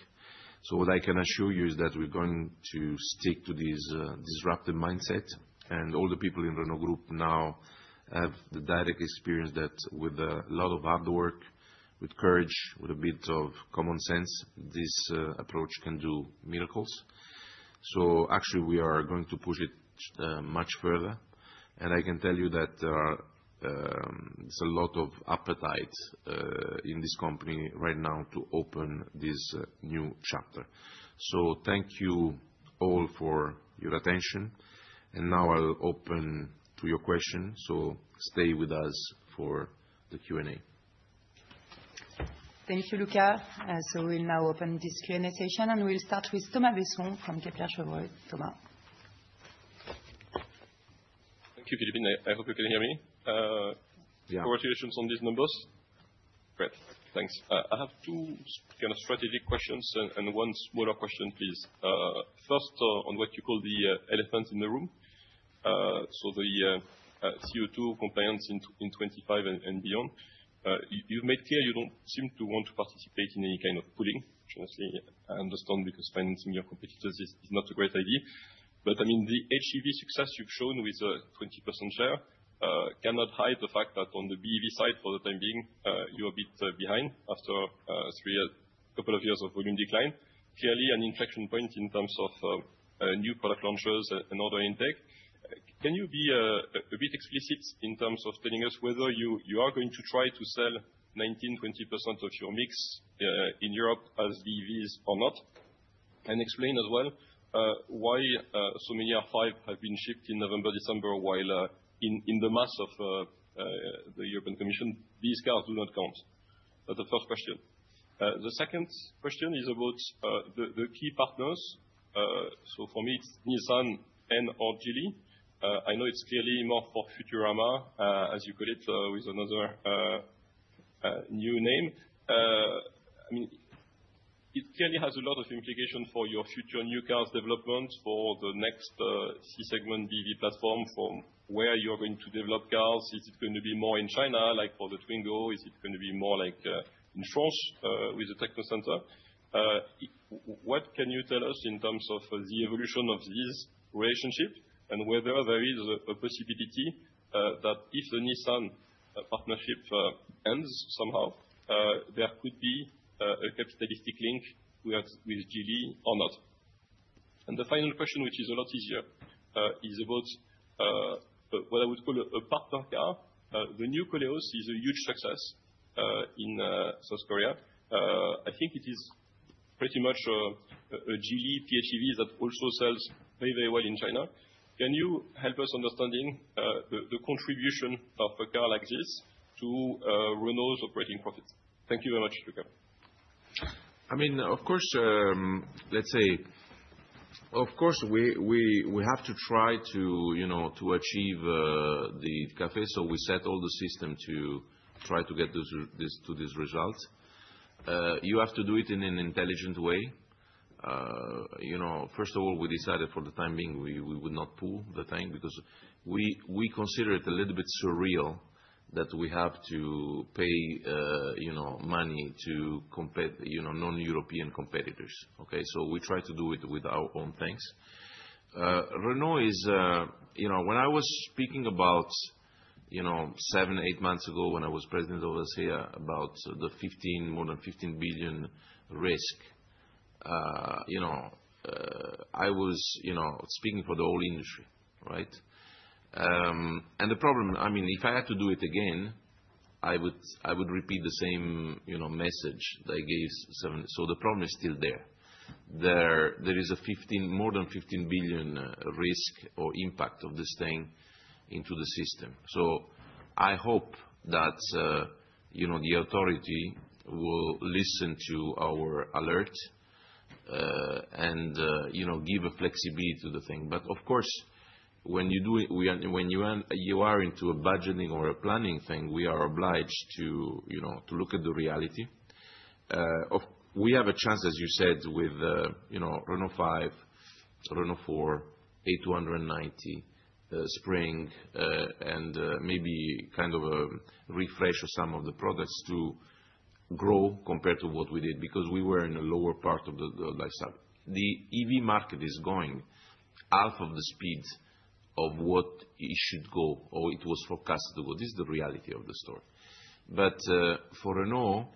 So what I can assure you is that we're going to stick to this disruptive mindset. And all the people in Renault Group now have the direct experience that with a lot of hard work, with courage, with a bit of common sense, this approach can do miracles. So actually, we are going to push it much further. And I can tell you that there is a lot of appetite in this company right now to open this new chapter. So thank you all for your attention. And now I'll open to your questions. So stay with us for the Q&A. Thank you, Luca. So we'll now open this Q&A session, and we'll start with Thomas Besson from Kepler Cheuvreux. Thomas. Thank you, Philippine. I hope you can hear me. Congratulations on these numbers. Great. Thanks. I have two kind of strategic questions and one smaller question, please. First, on what you call the elephant in the room, so the CO2 compliance in 2025 and beyond, you've made clear you don't seem to want to participate in any kind of pooling, which honestly, I understand because financing your competitors is not a great idea. But I mean, the HEV success you've shown with a 20% share cannot hide the fact that on the BEV side, for the time being, you're a bit behind after a couple of years of volume decline. Clearly, an inflection point in terms of new product launches and other intake. Can you be a bit explicit in terms of telling us whether you are going to try to sell 19%-20% of your mix in Europe as BEVs or not? And explain as well why so many R5 have been shipped in November, December, while in the eyes of the European Commission, these cars do not count. That's the first question. The second question is about the key partners. So for me, it's Nissan, and/or Geely. I know it's clearly more for Futurama, as you call it, with another new name. I mean, it clearly has a lot of implications for your future new cars development for the next C segment BEV platform, from where you're going to develop cars. Is it going to be more in China, like for the Twingo? Is it going to be more like in France with the Technocentre? What can you tell us in terms of the evolution of this relationship and whether there is a possibility that if the Nissan partnership ends somehow, there could be a capitalistic link with Geely or not? And the final question, which is a lot easier, is about what I would call a partner car. The new Koleos is a huge success in South Korea. I think it is pretty much a Geely PHEV that also sells very, very well in China. Can you help us understand the contribution of a car like this to Renault's operating profits? Thank you very much, Luca. I mean, of course, let's say, of course, we we have to try to, you know, to achieve the CAFE, so we set all the system to try to get to this result. You have to do it in an intelligent way. You know, first of all, we decided for the time being we would not pool the tank because we consider it a little bit surreal that we have to pay, you know, money to non-European competitors. Okay? So we try to do it with our own tanks. Renault is, when I was speaking about, you know, seven, eight months ago when I was president of ACEA about the 15, more than 15 billion risk, you know, I was, you know, speaking for the whole industry, right? And the problem, I mean, if I had to do it again, I would, I would repeat the same, you know, message that I gave seven. So the problem is still there. There is a more than 15 billion risk or impact of this thing into the system. So I hope that, you know, the authority will listen to our alert and, you know, give a flexibility to the thing. But of course, when you, when you are into a budgeting or a planning thing, we are obliged to, you know, look at the reality. We have a chance, as you said, with Renault 5, Renault 4, A290, Spring, and maybe kind of a refresh of some of the products to grow compared to what we did because we were in a lower part of the lifecycle. The EV market is going half of the speed of what it should go or it was forecast to go. This is the reality of the story. But for Renault,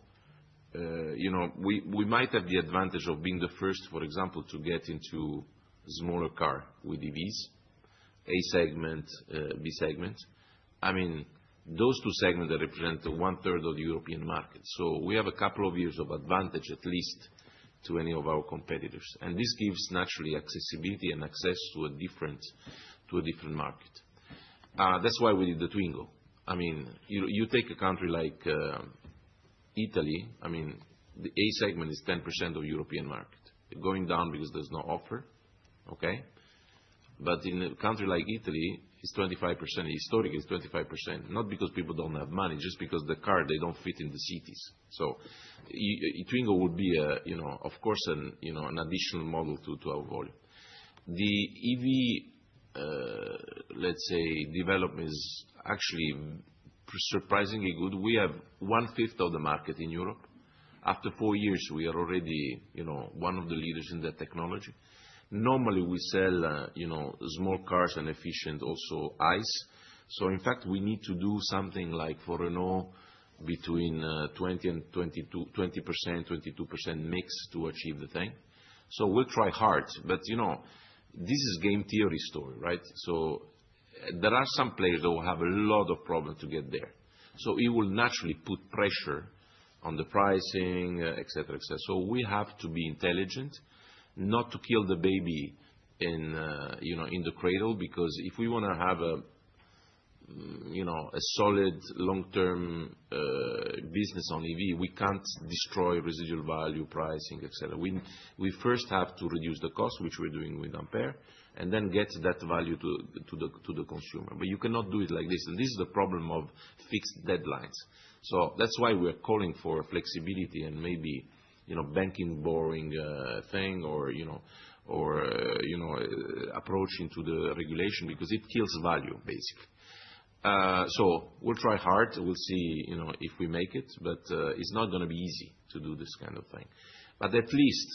you know, we might have the advantage of being the first, for example, to get into a smaller car with EVs, A segment, B segment. I mean, those two segments represent one-third of the European market. So we have a couple of years of advantage, at least, to any of our competitors. And this gives naturally accessibility and access to a different, to a different market. That's why we did the Twingo. I mean, you take a country like Italy. I mean, the A segment is 10% of the European market. They're going down because there's no offer. Okay? But in a country like Italy, historically, it's 25%, not because people don't have money, just because the car, they don't fit in the cities. So Twingo would be, of course, an additional model to our volume. The EV, let's say, development is actually surprisingly good. We have one-fifth of the market in Europe. After four years, we are already, you know, one of the leaders in that technology. Normally, we sell, you know, small cars and efficient also ICE. So in fact, we need to do something like for Renault between 20% and 22% mix to achieve the thing. So we'll try hard. But you know, this is a game theory story, right? So there are some players that will have a lot of problems to get there. So it will naturally put pressure on the pricing, etc., etc. So we have to be intelligent not to kill the baby in the, you know, in the cradle because if we want to have a, you know, solid long-term business on EV, we can't destroy residual value, pricing, etc. We first have to reduce the cost, which we're doing with Ampere, and then get that value to the consumer. But you cannot do it like this. And this is the problem of fixed deadlines. So that's why we're calling for flexibility and maybe, you know, banking borrowing thing or, you know, or approaching to the regulation because it kills value, basically. So we'll try hard. We'll see if we make it. But it's not going to be easy to do this kind of thing. But at least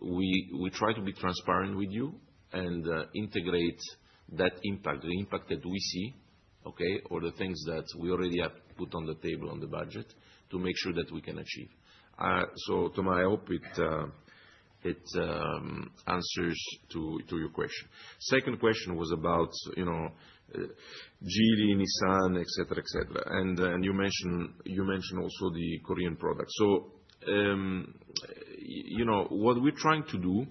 we try to be transparent with you and integrate that impact, the impact that we see, okay, or the things that we already have put on the table on the budget to make sure that we can achieve. So Thomas, I hope it it answers to your question. Second question was about, you know, Geely, Nissan, etc., etc. And then you mentioned, you mentioned also the Korean product. So, you know, what we're trying to do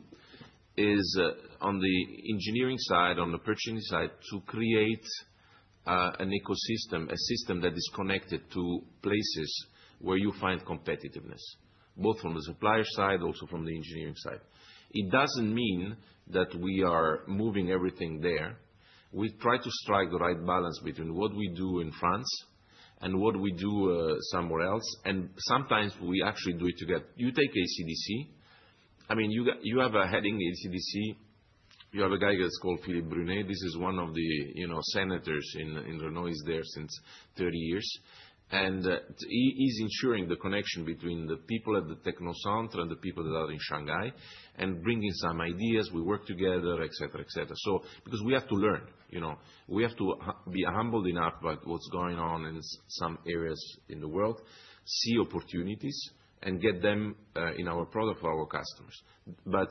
is on the engineering side, on the purchasing side, to create an ecosystem, a system that is connected to places where you find competitiveness, both from the supplier side, also from the engineering side. It doesn't mean that we are moving everything there. We try to strike the right balance between what we do in France and what we do somewhere else. And sometimes we actually do it together. You take ACDC. I mean, you have a head in ACDC. You have a guy that's called Philippe Brunet. This is one of the seniors in Renault. He's there since 30 years, and he's ensuring the connection between the people at the Technocentre and the people that are in Shanghai and bringing some ideas. We work together, etc., etc. So because we have to learn. You know, we have to be humbled enough about what's going on in some areas in the world, see opportunities, and get them in our product for our customers. But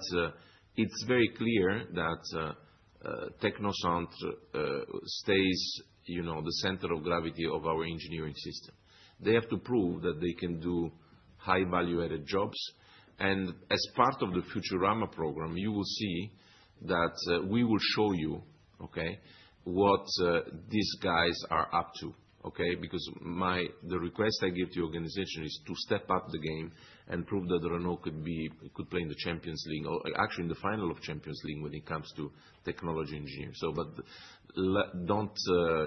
it's very clear that Technocentre stays, you know, the center of gravity of our engineering system. They have to prove that they can do high-value-added jobs, and as part of the Futurama program, you will see that we will show you, okay, what these guys are up to. Okay? Because the request I give to the organization is to step up the game and prove that Renault could play in the Champions League or actually in the final of Champions League when it comes to technology engineering. But,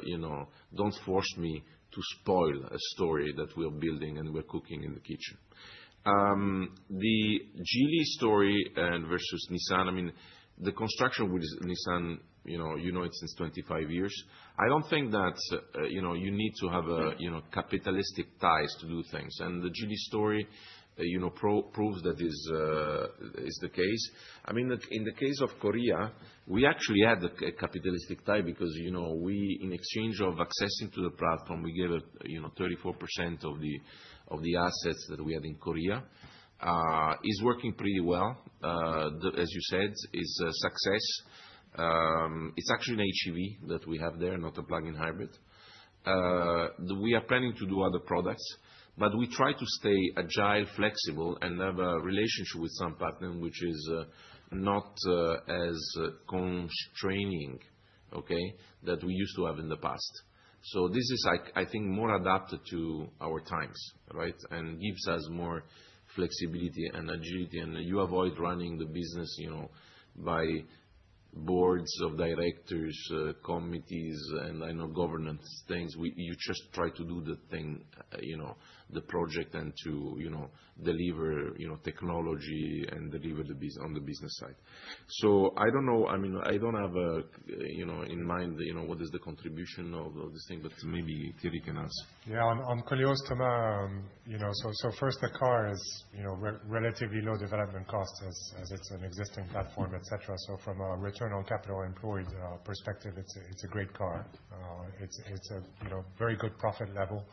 you know, don't force me to spoil a story that we're building and we're cooking in the kitchen. The Geely story versus Nissan, I mean, the construction with Nissan, you know it since 25 years. I don't think that, you know, you need to have capitalistic ties to do things. And the Geely story proves that this is the case. I mean, in the case of Korea, we actually had a capitalistic tie because, you know, we, in exchange of accessing to the platform, we gave 34% of the assets that we had in Korea. It's working pretty well, as you said. It's a success. It's actually an HEV that we have there, not a plug-in hybrid. We are planning to do other products, but we try to stay agile, flexible, and have a relationship with some partner, which is not as constraining, okay, that we used to have in the past. So this is, I think, more adapted to our times, right, and gives us more flexibility and agility. And you avoid running the business, you know, by Boards of Directors, Committees, and I know governance things. You just try to do the thing, you know, the project, and to you know, deliver technology and deliver on the business side. So I don't know. I mean, I don't have, you know, in mind what is the contribution of this thing, but maybe Thierry can answer. Yeah. On Koleos, Thomas, so first, the car has relatively low development costs as it's an existing platform, etc. So from a return on capital employed perspective, it's a great car. It's a very good profit level.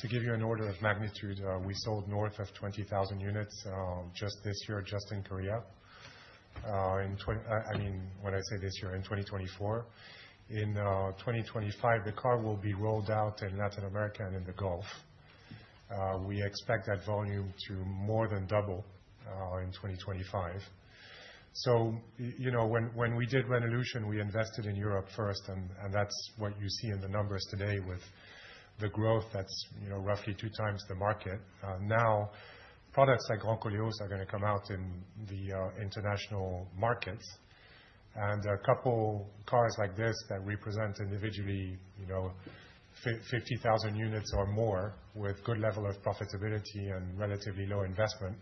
To give you an order of magnitude, we sold north of 20,000 units just this year, just in Korea. I mean, when I say this year, in 2024. In 2025, the car will be rolled out in Latin America and in the Gulf. We expect that volume to more than double in 2025. So, you know, when we did Renaulution, we invested in Europe first, and that's what you see in the numbers today with the growth that's roughly two times the market. Now, products like Grand Koleos are going to come out in the international markets. And a couple of cars like this that represent individually 50,000 units or more with good level of profitability and relatively low investment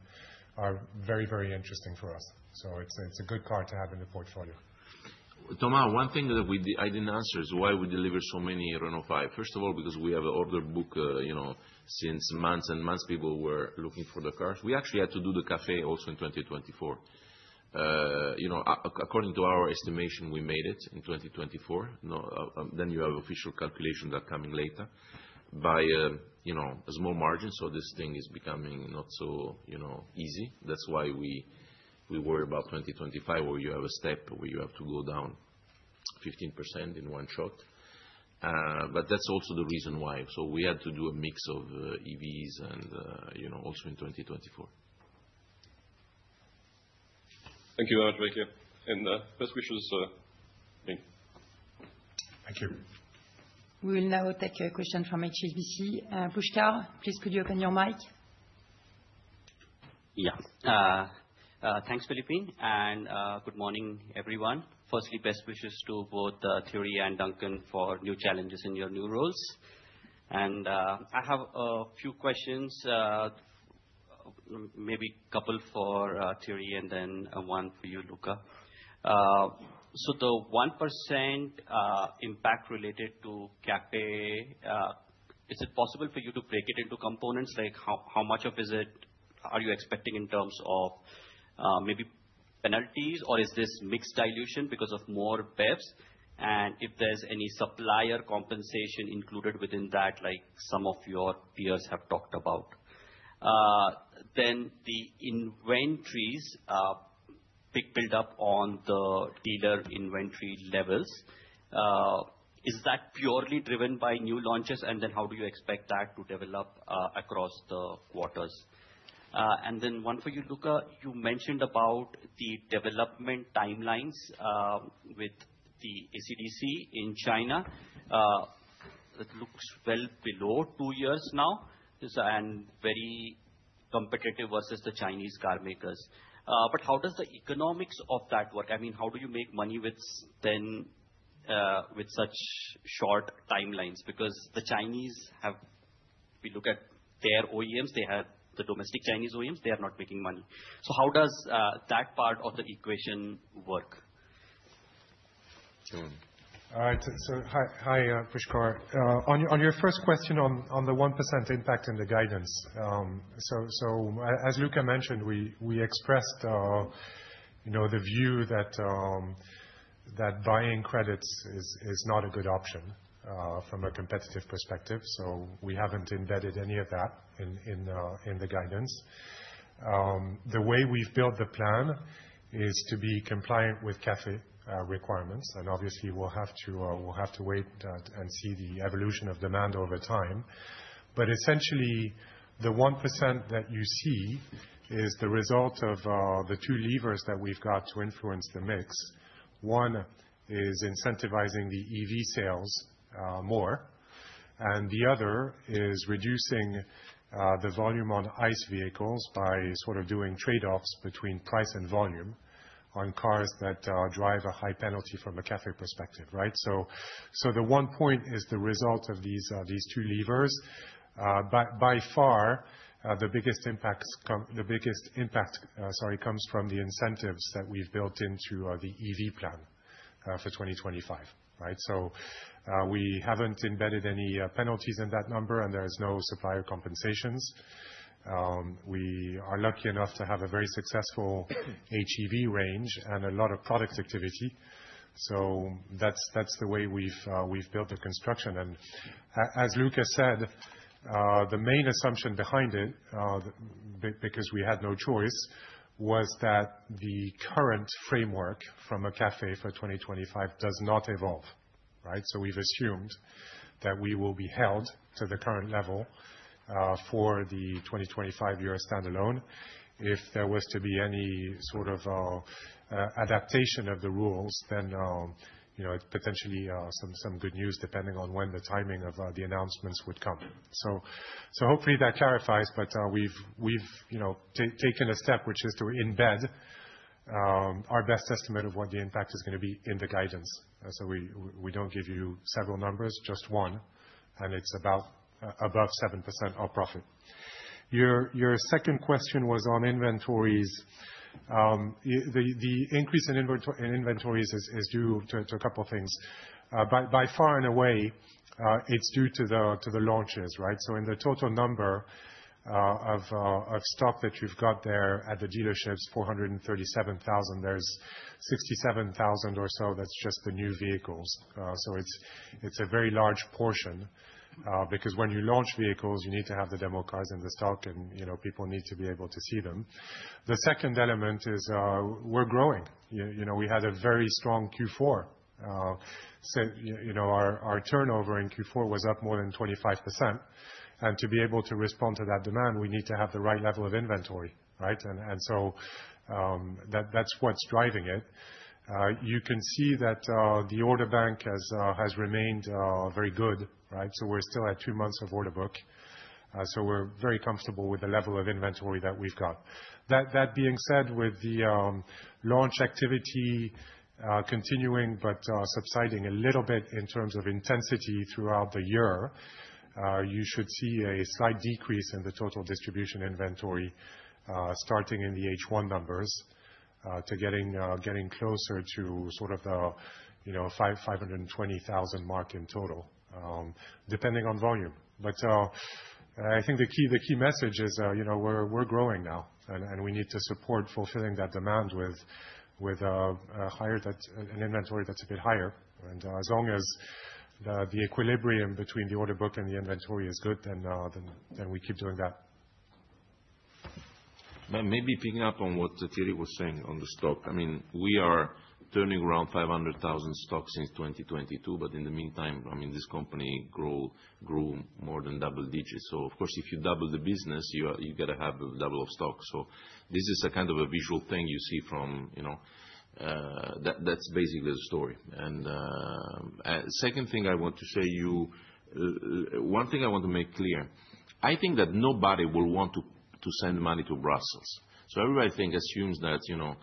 are very, very interesting for us. So it's a good car to have in the portfolio. Thomas, one thing that I didn't answer is why we deliver so many Renault 5. First of all, because we have an order book, you know, since months and months, people were looking for the cars. We actually had to do the CAFE also in 2024. According to our estimation, we made it in 2024. Then you have official calculations that are coming later by, you know a small margin. So this thing is becoming not so, you know, easy. That's why we worry about 2025, where you have a step where you have to go down 15% in one shot. But that's also the reason why. So we had to do a mix of EVs and also in 2024. Thank you very much, Luca, and best wishes. Thank you. We will now take a question from HSBC. Pushkar, please could you open your mic? Yeah. Thanks, Philippine, and good morning, everyone. Firstly, best wishes to both Thierry and Duncan for new challenges in your new roles. And I have a few questions, maybe a couple for Thierry and then one for you, Luca. So the 1% impact related to CAFE, is it possible for you to break it into components? How much of it are you expecting in terms of maybe penalties, or is this mixed dilution because of more BEVs? And if there's any supplier compensation included within that, like some of your peers have talked about, then the inventory buildup on the dealer inventory levels, is that purely driven by new launches? And then how do you expect that to develop across the quarters? And then one for you, Luca. You mentioned about the development timelines with the ACDC in China. It looks well below two years now and very competitive versus the Chinese car makers. But how does the economics of that work? I mean, how do you make money with such short timelines? Because the Chinese, if you look at their OEMs, they have the domestic Chinese OEMs, they are not making money. So how does that part of the equation work? All right. So hi, Pushkar. On your first question on the 1% impact in the guidance, so as Luca mentioned, we we expressed, you know, the view that buying credits is not a good option from a competitive perspective. So we haven't embedded any of that in in the guidance. The way we've built the plan is to be compliant with CAFE requirements. And obviously, we'll have to, we'll have to wait and see the evolution of demand over time. But essentially, the 1% that you see is the result of the two levers that we've got to influence the mix. One is incentivizing the EV sales more, and the other is reducing the volume on ICE vehicles by sort of doing trade-offs between price and volume on cars that drive a high penalty from a CAFE perspective, right? So the one point is the result of these two levers. By far, the biggest impact, biggest impact comes from the incentives that we've built into the EV plan for 2025, right? So we haven't embedded any penalties in that number, and there are no supplier compensations. We are lucky enough to have a very successful HEV range and a lot of product activity. So that's that's the way we've built the construction, and as Luca said, the main assumption behind it, because we had no choice, was that the current framework from a CAFE for 2025 does not evolve, right? So we've assumed that we will be held to the current level for the 2025 year standalone. If there was to be any sort of adaptation of the rules, then it's potentially some good news depending on when the timing of the announcements would come. So hopefully that clarifies, but we've, we've, you know, taken a step, which is to embed our best estimate of what the impact is going to be in the guidance. So we don't give you several numbers, just one, and it's about above 7% of profit. Your second question was on inventories. The increase in inventories is due to a couple of things. By far, in a way, it's due to the launches, right? So in the total number of stock that you've got there at the dealerships, 437,000, there's 67,000 or so that's just the new vehicles. So it's a very large portion because when you launch vehicles, you need to have the demo cars in the stock, and people need to be able to see them. The second element is we're growing. We had a very strong Q4. You know, our turnover in Q4 was up more than 25%. And to be able to respond to that demand, we need to have the right level of inventory, right? And so that's what's driving it. You can see that the order bank has has remained very good, right? So we're still at two months of order book. So we're very comfortable with the level of inventory that we've got. That being said, with the launch activity continuing but subsiding a little bit in terms of intensity throughout the year, you should see a slight decrease in the total distribution inventory starting in the H1 numbers to getting closer to sort of the 520,000 mark in total, depending on volume. But I think the key message is we're growing now, and we need to support fulfilling that demand with an inventory that's a bit higher. And as long as the equilibrium between the order book and the inventory is good, then we keep doing that. Maybe picking up on what Thierry was saying on the stock. I mean, we are turning around 500,000 stock since 2022, but in the meantime, I mean, this company grow grew more than double digits. So of course, if you double the business, you've got to have a double of stock. So this is a kind of a visual thing you see from that. That's basically the story. And second thing I want to say, one thing I want to make clear, I think that nobody will want to send money to Brussels. So everybody assumes, you know,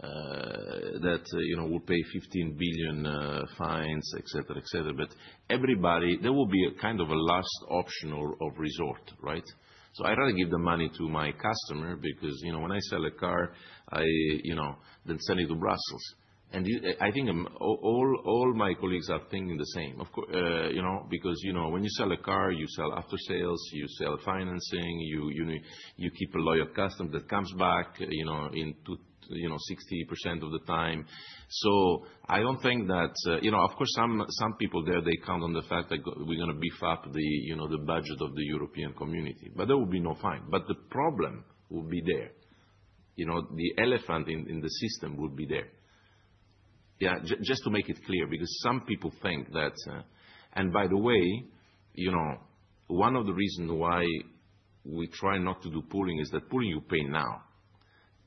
that we'll pay 15 billion fines, etc., etc. But everybody, there will be a kind of a last-resort option, right? So I'd rather give the money to my customer because when I sell a car, you know, than send it to Brussels. And I think all all my colleagues are thinking the same, you know, because, you know, when you sell a car, you sell after sales, you sell financing, you you keep a loyal customer that comes back, you know, in 60% of the time. So I don't think that, of course, some people there, they count on the fact that we're going to beef up the budget of the European community, but there will be no fine. But the problem will be there. You know, the elephant in the system will be there. Yeah, just to make it clear because some people think that, and by the way, you know, one of the reasons why we try not to do pooling is that pooling you pay now.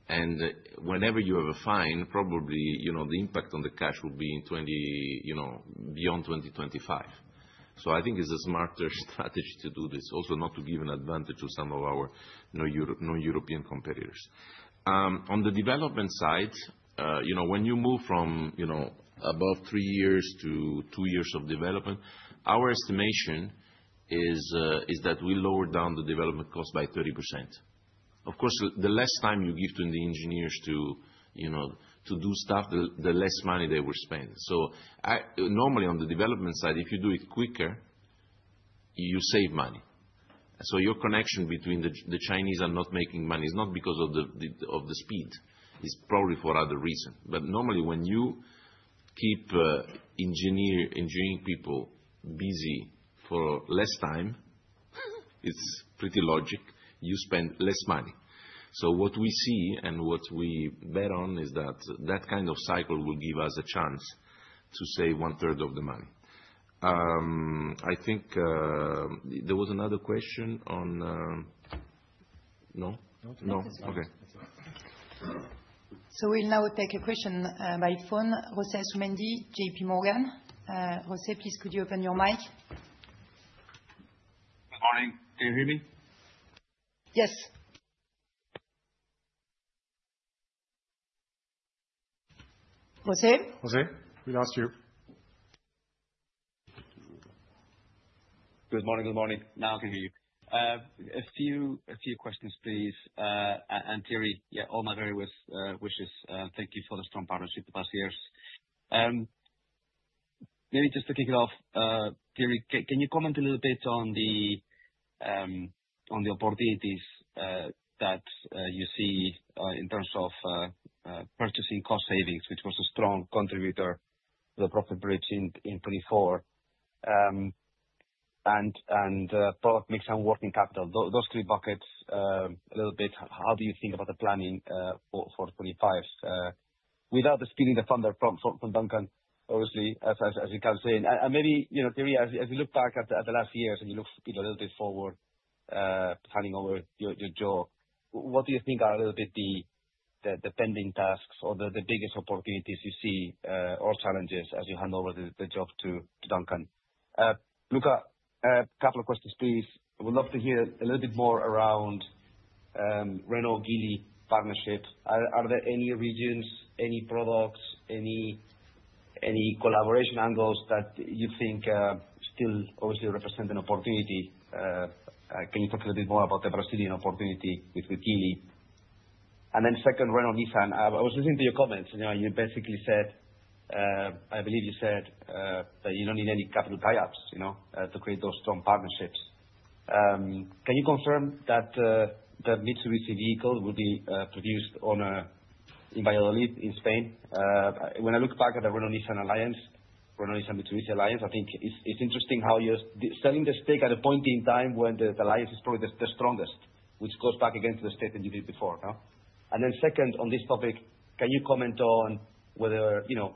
And whenever you have a fine, probably the impact on the cash will be, you know, beyond 2025. So I think it's a smarter strategy to do this, also not to give an advantage to some of our non-European competitors. On the development side, when you move from, you know, above three years to two years of development, our estimation is that we lower down the development cost by 30%. Of course, the less time you give to the engineers to do stuff, the less money they will spend. So normally on the development side, if you do it quicker, you save money. So your connection between the Chinese and not making money is not because of the speed. It's probably for other reasons. But normally, when you keep engineering people busy for less time, it's pretty logical. You spend less money. So what we see and what we bet on is that that kind of cycle will give us a chance to save one-third of the money. I think there was another question, no? No. Okay. So we'll now take a question by phone. JP Morgan. José, please could you open your mic? Good morning. Can you hear me? Yes. José? José, we lost you. Good morning. Good morning. Now I can hear you. A few questions, please. Thierry, all my best wishes. Thank you for the strong partnership the past years. Maybe just to kick it off, Thierry, can you comment a little bit on the opportunities that you see in terms of purchasing cost savings, which was a strong contributor to the profit bridge in 2024, and and product mix and working capital, those three buckets a little bit. How do you think about the planning for 2025? Without stealing the thunder from Duncan, obviously, as you kept saying. Maybe, Thierry, as you look back at the last years and you look a little bit forward, handing over your job, what do you think are a little bit the pending tasks or the biggest opportunities you see or challenges as you hand over the job to Duncan? Luca, a couple of questions, please. We'd love to hear a little bit more around Renault-Geely partnership. Are there any regions, any products, any any collaboration angles that you think still obviously represent an opportunity? Can you talk a little bit more about the Brazilian opportunity with Geely? And then second, Renault-Nissan. I was listening to your comments. You basically said, I believe you said that you don't need any capital tie-ups to create those strong partnerships. Can you confirm that the Mitsubishi vehicle will be produced in Valladolid, in Spain? When I look back at the Renault-Nissan alliance, Renault-Nissan Mitsubishi alliance, I think it's interesting how you're selling the stake at a point in time when the alliance is probably the strongest, which goes back again to the stake that you did before. And then second, on this topic, can you comment on, you know,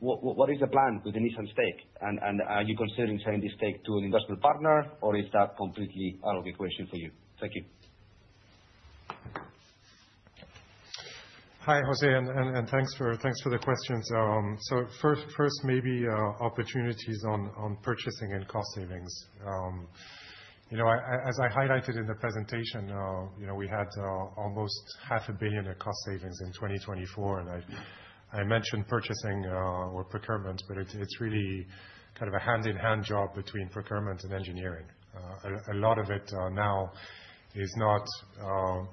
what is the plan with the Nissan stake? And are you considering selling the stake to an industrial partner, or is that completely out of the equation for you? Thank you. Hi, José, and thanks for the questions. So first, maybe opportunities on purchasing and cost savings. You know, as I highlighted in the presentation, we had almost 500 million in cost savings in 2024. And I mentioned purchasing or procurement, but it's really kind of a hand-in-hand job between procurement and engineering. A lot of it now is not,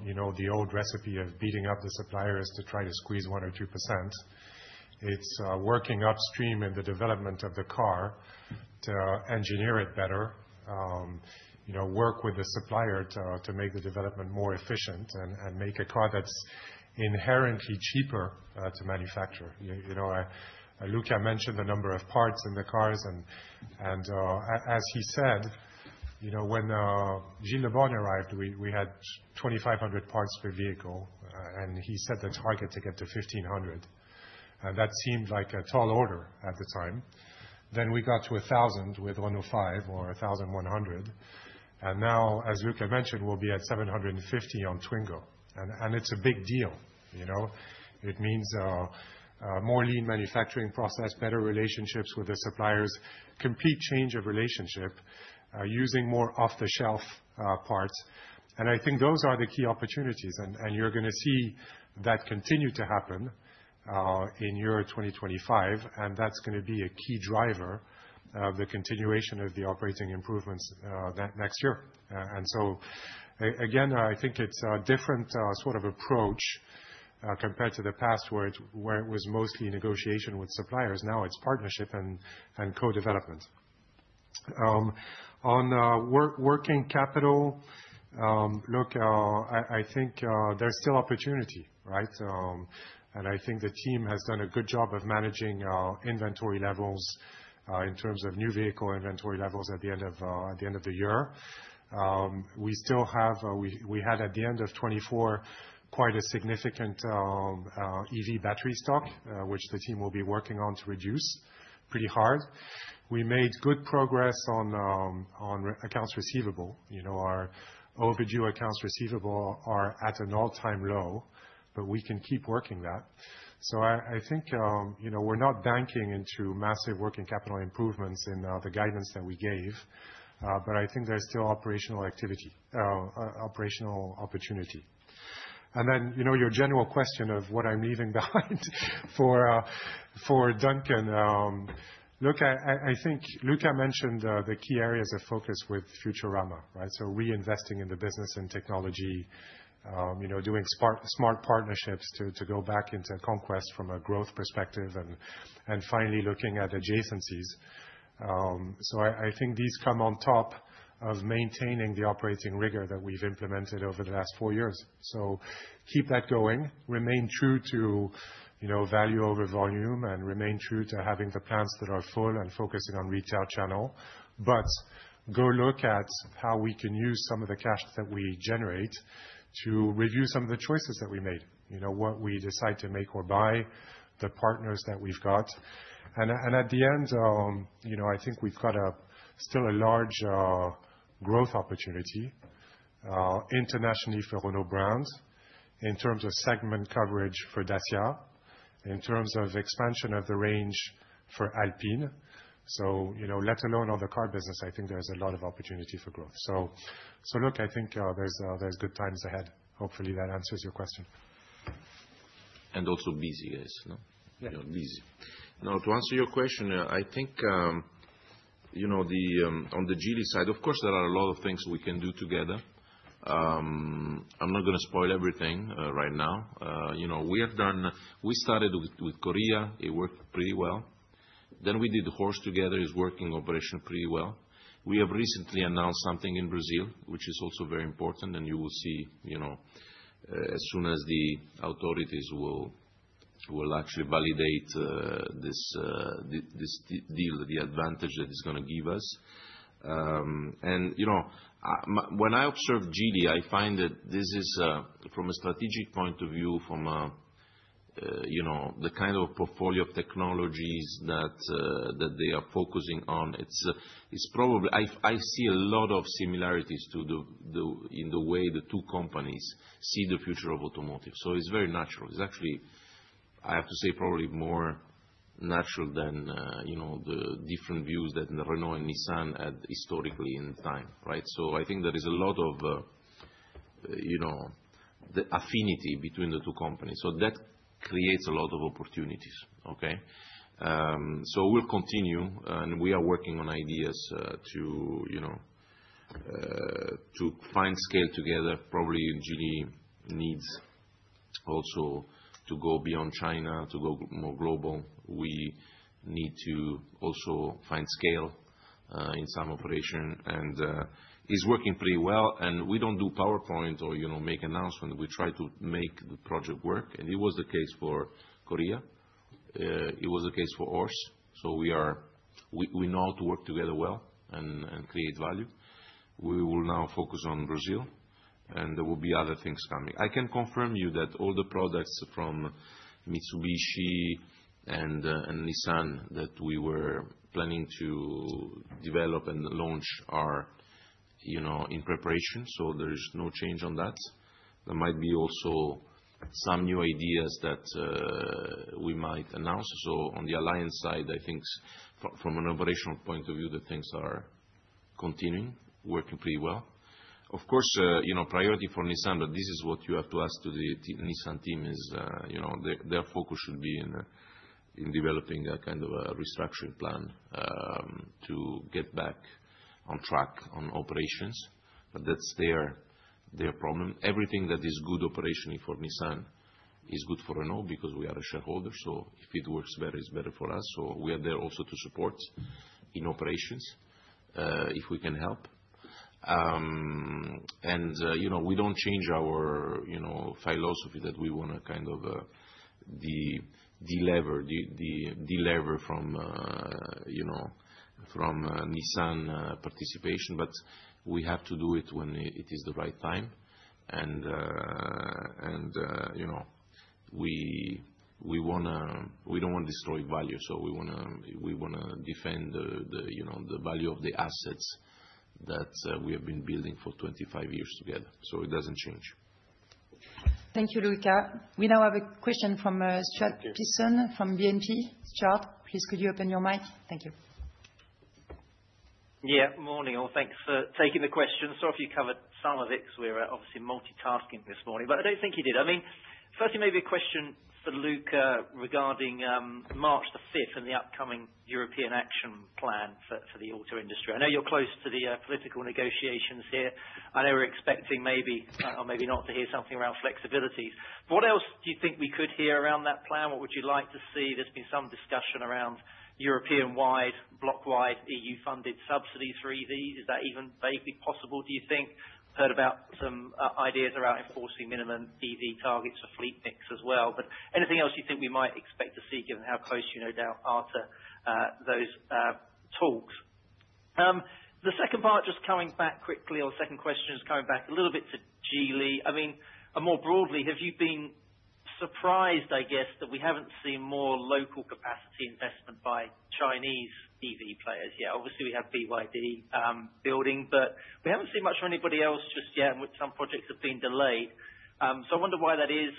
you know, the old recipe of beating up the suppliers to try to squeeze 1% or 2%. It's working upstream in the development of the car to engineer it better, work with the supplier to make the development more efficient, and make a car that's inherently cheaper to manufacture. Luca mentioned the number of parts in the cars. As he said, you know, when Gilles Le Borgne arrived, we had 2,500 parts per vehicle, and he set the target to get to 1,500. And that seemed like a tall order at the time. Then we got to 1,000 with 105 or 1,100. Now, as Luca mentioned, we'll be at 750 on Twingo. And now it's a big deal, you know. It means a more lean manufacturing process, better relationships with the suppliers, complete change of relationship, using more off-the-shelf parts. And I think those are the key opportunities. And you're going to see that continue to happen in year 2025. And that's going to be a key driver of the continuation of the operating improvements next year. And so again, I think it's a different sort of approach compared to the past where it was mostly negotiation with suppliers. Now it's partnership and co-development. On working capital, look, I think there's still opportunity, right? And I think the team has done a good job of managing inventory levels in terms of new vehicle inventory levels at the end of the year. We had at the end of 2024 quite a significant EV battery stock, which the team will be working on to reduce pretty hard. We made good progress on on accounts receivable. Our overdue accounts receivable are at an all-time low, but we can keep working that. So I think, you know, we're not banking into massive working capital improvements in the guidance that we gave, but I think there's still operational opportunity. Then your general question of what I'm leaving behind for Duncan, look, I think Luca mentioned the key areas of focus with Futurama, right? So reinvesting in the business and technology, doing smart partnerships to go back into conquest from a growth perspective, and finally looking at adjacencies. So I think these come on top of maintaining the operating rigor that we've implemented over the last four years. So keep that going, remain true to, you know, value over volume, and remain true to having the plants that are full and focusing on retail channel. But go look at how we can use some of the cash that we generate to review some of the choices that we made, what we decide to make or buy, the partners that we've got. And at the end, you know, I think we've got still a large growth opportunity internationally for Renault brand in terms of segment coverage for Dacia, in terms of expansion of the range for Alpine. So let alone on the car business, I think there's a lot of opportunity for growth. So look, I think there's good times ahead. Hopefully, that answers your question. And also busy, guys. Busy. Now, to answer your question, I think on the Geely side, of course, there are a lot of things we can do together. I'm not going to spoil everything right now. You know we have done, we started with Korea. It worked pretty well. Then we did Horse together. It's working operationally pretty well. We have recently announced something in Brazil, which is also very important, and you will see, you know, as soon as the authorities will, will actually validate this deal, the advantage that it's going to give us. And you know, when I observe Geely, I find that this is, from a strategic point of view, from, you know, the kind of portfolio of technologies that they are focusing on, it's a it's probably I see a lot of similarities in the way the two companies see the future of automotive. So it's very natural. It's actually, I have to say, probably more natural than, you know, the different views that Renault and Nissan had historically in time, right? So I think there is a lot of, you know, the affinity between the two companies. So that creates a lot of opportunities, okay? So we'll continue, and we are working on ideas to, you know, to find scale together. Probably Geely needs also to go beyond China to go more global. We need to also find scale in some operation. And it's working pretty well. And we don't do PowerPoint or make announcements. We try to make the project work. And it was the case for Korea. It was the case for Horse. So we know how to work together well and create value. We will now focus on Brazil, and there will be other things coming. I can confirm you that all the products from Mitsubishi and Nissan that we were planning to develop and launch are, you know, in preparation. So there is no change on that. There might be also some new ideas that we might announce. So on the alliance side, I think from an operational point of view, the things are continuing, working pretty well. Of course, priority for Nissan, but this is what you have to ask to the Nissan team, is their focus should be in developing that kind of a restructuring plan to get back on track on operations. But that's their their problem. Everything that is good operationally for Nissan is good for Renault because we are a shareholder. So if it works better, it's better for us. So we are there also to support in operations if we can help. And, you know, we don't change, you know, our philosophy that we want to kind of deliver deliver from, you know, from Nissan participation, but we have to do it when it is the right time. And and you know, we don't want to destroy value. So we want to defend the, you know, the value of the assets that we have been building for 25 years together. So it doesn't change. Thank you, Luca. We now have a question from Stuart Pearson from BNP. Stuart, please could you open your mic? Thank you. Yeah. Morning. Well, thanks for taking the question. Sorry if you covered some of it because we were obviously multitasking this morning. But I don't think you did. I mean, firstly, maybe a question for Luca regarding March 5th and the upcoming European action plan for the auto industry. I know you're close to the political negotiations here. I know we're expecting maybe or maybe not to hear something around flexibilities. What else do you think we could hear around that plan? What would you like to see? There's been some discussion around European-wide, bloc-wide, EU-funded subsidies for EVs. Is that even vaguely possible, do you think? Heard about some ideas around enforcing minimum EV targets for fleet mix as well. But anything else you think we might expect to see given how close you know how we are to those talks? The second part, just coming back quickly, or second question is coming back a little bit to Geely. I mean, more broadly, have you been surprised, I guess, that we haven't seen more local capacity investment by Chinese EV players yet? Obviously, we have BYD building, but we haven't seen much from anybody else just yet, and some projects have been delayed. So I wonder why that is.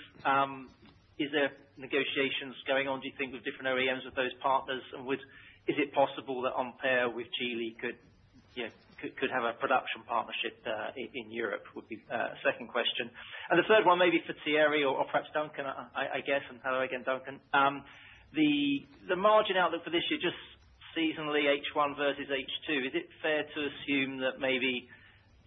Is there negotiations going on, do you think, with different OEMs with those partners? And is it possible that Ampere with Geely could have a production partnership in Europe? Would be a second question. And the third one, maybe for Thierry or perhaps Duncan, I guess. And hello again, Duncan. The margin outlook for this year, just seasonally, H1 versus H2, is it fair to assume that maybe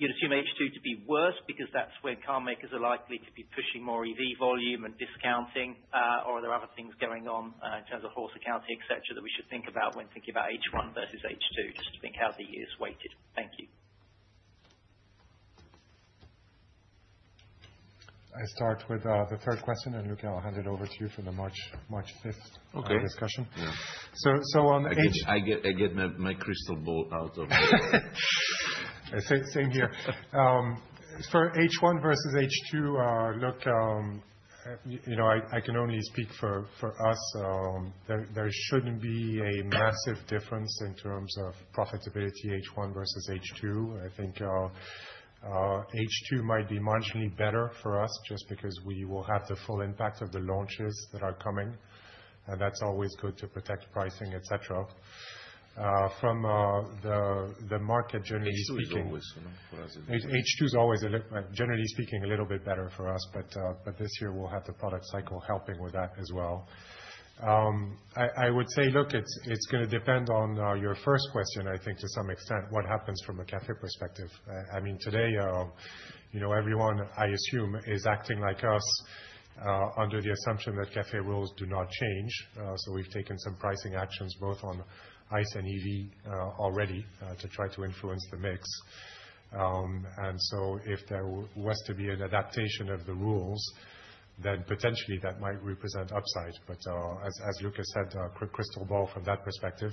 you'd assume H2 to be worse because that's when carmakers are likely to be pushing more EV volume and discounting? Or are there other things going on in terms of Horse accounting, etc., that we should think about when thinking about H1 versus H2, just to think how the year is weighted? Thank you. I start with the third question, and Luca, I'll hand it over to you for the March 5th discussion. On H1, I get my crystal ball out of this. Same here. For H1 versus H2, look, I can only speak for us. There shouldn't be a massive difference in terms of profitability, H1 versus H2. I think H2 might be marginally better for us just because we will have the full impact of the launches that are coming, and that's always good to protect pricing, etc. From the the market, generally speaking, H2 is always, generally speaking, a little bit better for us, but this year, we'll have the product cycle helping with that as well. I would say, look, it's going to depend on your first question, I think, to some extent, what happens from a CAFE perspective. I mean, today, everyone, I assume, is acting like us under the assumption that CAFE rules do not change. So we've taken some pricing actions both on ICE and EV already to try to influence the mix. And so if there was to be an adaptation of the rules, then potentially that might represent upside. But as Luca said, crystal ball from that perspective,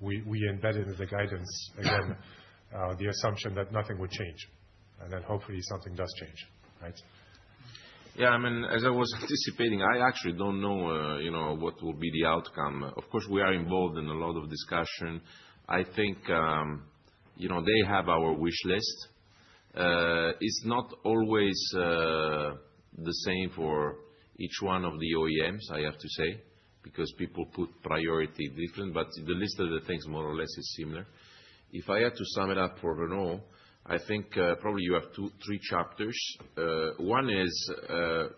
we embedded in the guidance, again, the assumption that nothing would change. And then hopefully something does change, right? Yeah. I mean, as I was anticipating, I actually don't know what will be the outcome. Of course, we are involved in a lot of discussion. I think, you know, they have our wish list. It's not always the same for each one of the OEMs, I have to say, because people put priority different. But the list of the things more or less is similar. If I had to sum it up for Renault, I think probably you have three chapters. One is,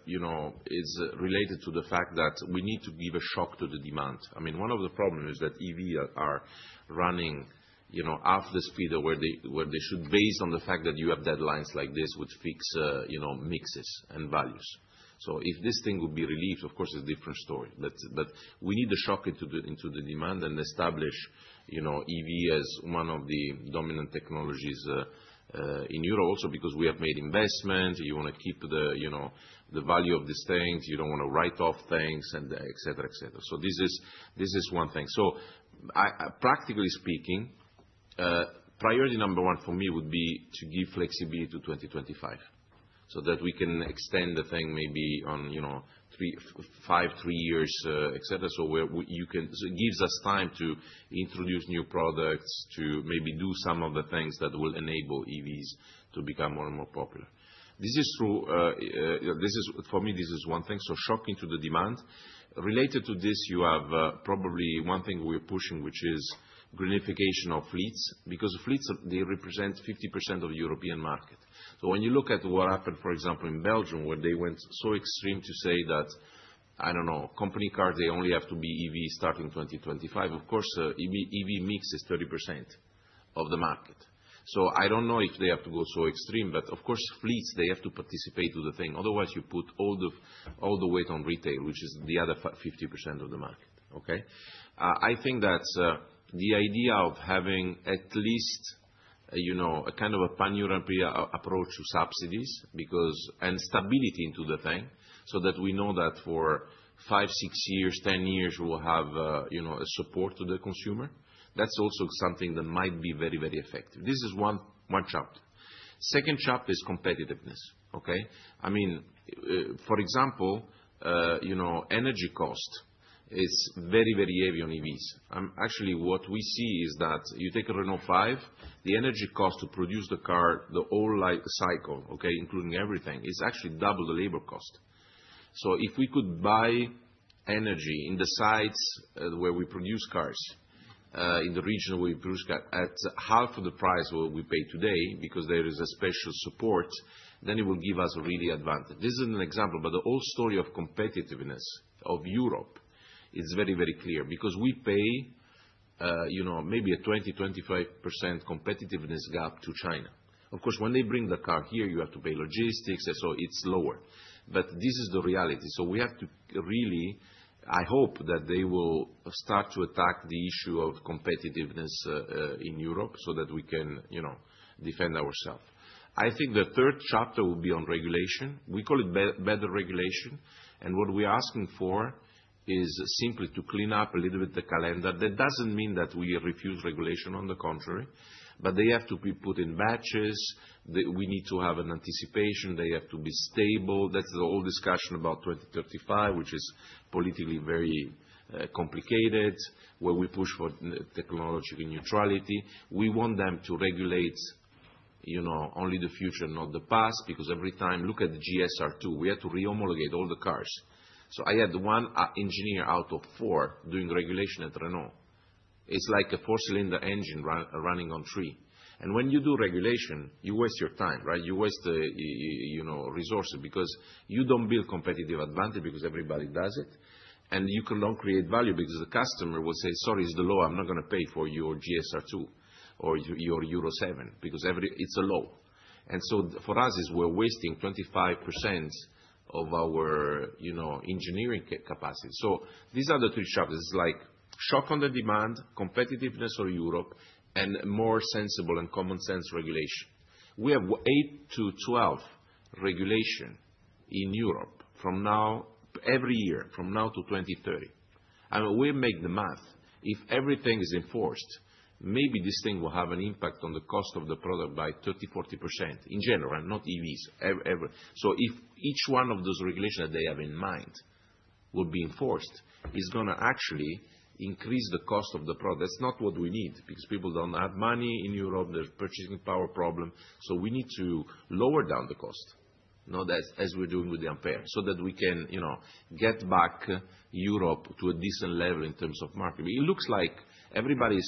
you know, is related to the fact that we need to give a shock to the demand. I mean, one of the problems is that EVs are running, you know, half the speed where they should, based on the fact that you have deadlines like this, would fix, you know, mixes and values. So if this thing would be released, of course, it's a different story. But we need to shock into the demand and establish, you know, EV as one of the dominant technologies in Europe, also because we have made investment. You want to keep, you know, the value of these things. You don't want to write off things, etc., etc. So this, this is one thing. So practically speaking, priority number one for me would be to give flexibility to 2025 so that we can extend the thing maybe on, you know, five, three years, etc. So it gives us time to introduce new products, to maybe do some of the things that will enable EVs to become more and more popular. This is true. For me, this is one thing. So shocking to the demand. Related to this, you have probably one thing we're pushing, which is greenification of fleets because fleets, they represent 50% of the European market. So when you look at what happened, for example, in Belgium, where they went so extreme to say that, I don't know, company cars, they only have to be EVs starting 2025, of course, EV mix is 30% of the market. So I don't know if they have to go so extreme. But of course, fleets, they have to participate to the thing. Otherwise, you put all the all the weight on retail, which is the other 50% of the market, okay? I think that's the idea of having at least a kind of a pan-European approach to subsidies because and stability into the thing so that we know that for five, six years, ten years, we will have, you know, support to the consumer, that's also something that might be very, very effective. This is one chapter. Second chapter is competitiveness, okay? I mean, for example, you know, energy cost is very, very heavy on EVs. Actually, what we see is that you take a Renault 5, the energy cost to produce the car, the whole cycle, okay, including everything, is actually double the labor cost. So if we could buy energy in the sites where we produce cars, in the region where we produce cars, at half of the price we pay today because there is a special support, then it will give us a really advantage. This is an example. But the whole story of competitiveness of Europe is very, very clear because we pay, you know, maybe a 20%-25% competitiveness gap to China. Of course, when they bring the car here, you have to pay logistics, so it's lower. But this is the reality. So we have to really, I hope that they will start to attack the issue of competitiveness in Europe so that we can, you know, defend ourselves. I think the third chapter will be on regulation. We call it better regulation. And what we're asking for is simply to clean up a little bit the calendar. That doesn't mean that we refuse regulation, on the contrary, but they have to be put in batches. That we need to have an anticipation. They have to be stable. That's the whole discussion about 2035, which is politically very complicated, where we push for technological neutrality. We want them to regulate, you know, only the future, not the past, because every time, look at the GSR2, we had to rehomologate all the cars, so I had one engineer out of four doing regulation at Renault. It's like a four-cylinder engine running on three, and when you do regulation, you waste your time, right? You waste, you know, resources because you don't build competitive advantage because everybody does it, and you can't create value because the customer will say, "Sorry, it's the law. I'm not going to pay for your GSR2 or your Euro 7 because it's a law," and so for us, we're wasting 25% of our, you know, engineering capacity, so these are the three chapters. It's like shock on the demand, competitiveness for Europe, and more sensible and common-sense regulation. We have 8-12 regulations in Europe from now, every year, from now to 2030. I mean, we make the math. If everything is enforced, maybe this thing will have an impact on the cost of the product by 30%-40% in general, not EVs, so if each one of those regulations that they have in mind will be enforced, it's going to actually increase the cost of the product. That's not what we need because people don't have money in Europe. There's purchasing power problem. So we need to lower down the cost, not as we're doing with the Ampere, so that we can, you know, get back Europe to a decent level in terms of market. It looks like everybody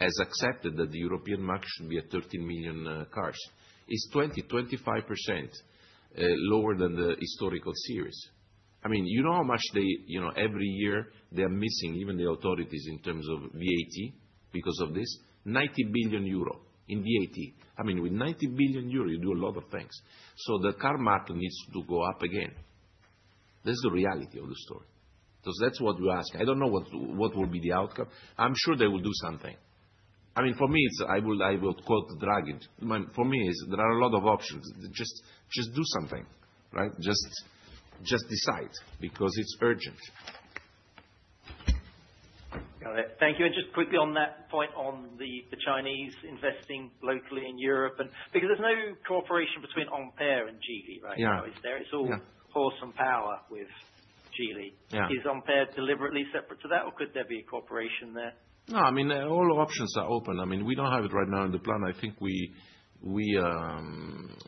has accepted that the European market should be at 13 million cars. It's 20%-25% lower than the historical series. I mean, you know how much they every year, they are missing, even the authorities in terms of VAT because of this? 90 billion euro in VAT. I mean, with 90 billion euro, you do a lot of things. So the car market needs to go up again. That's the reality of the story. So that's what you ask. I don't know what will be the outcome. I'm sure they will do something. I mean, for me, I will quote Draghi. For me, there are a lot of options. Just do something, right? Just decide because it's urgent. Got it. Thank you. And just quickly on that point on the Chinese investing locally in Europe, because there's no cooperation between Ampere and Geely, right? No. Is there? It's all Horse and power with Geely. Is Ampere deliberately separate to that, or could there be a cooperation there? No. I mean, all options are open. I mean, we don't have it right now in the plan. I think we we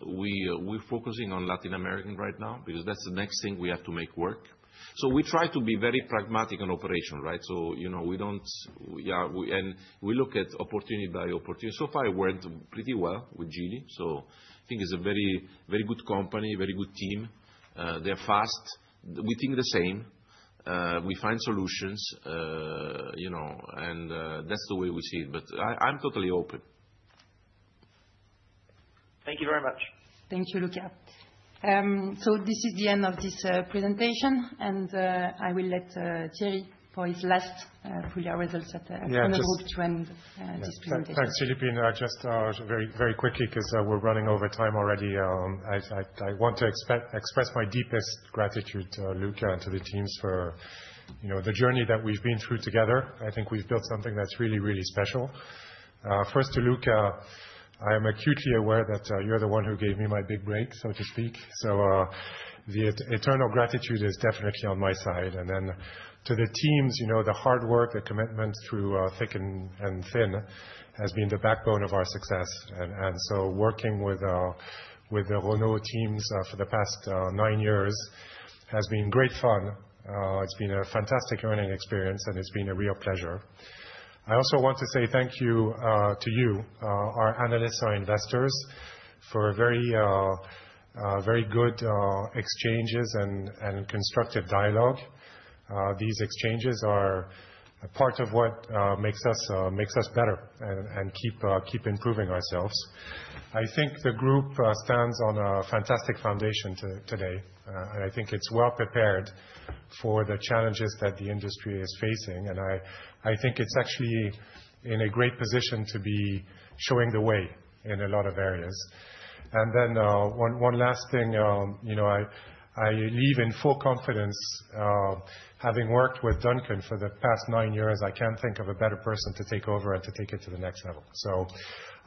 we're focusing on Latin American right now because that's the next thing we have to make work. So we try to be very pragmatic in operation, right? So we don't, yeah. And we look at opportunity by opportunity. So far, it worked pretty well with Geely. So I think it's a very good company, very good team. They're fast. We think the same. We find solutions. You know, and that's the way we see it. But I'm totally open. Thank you very much. Thank you, Luca. So this is the end of this presentation. And I will let Thierry for his last full-year results at the final group to end this presentation. Thanks, Philippine. Just very quickly because we're running over time already. I want to express my deepest gratitude, Luca, to the teams for the journey that we've been through together. I think we've built something that's really, really special. First, to Luca, I am acutely aware that you're the one who gave me my big break, so to speak. So the eternal gratitude is definitely on my side. And then to the teams, the hard work, the commitment through thick and thin has been the backbone of our success. And and so working with the Renault teams for the past nine years has been great fun. It's been a fantastic learning experience, and it's been a real pleasure. I also want to say thank you to you, our analysts, our investors, for very good exchanges and constructive dialogue. These exchanges are part of what makes us makes us better and keep improving ourselves. I think the group stands on a fantastic foundation today. And I think it's well prepared for the challenges that the industry is facing. And I think it's actually in a great position to be showing the way in a lot of areas. And then one last thing. You know, I leave in full confidence, having worked with Duncan for the past nine years. I can't think of a better person to take over and to take it to the next level. So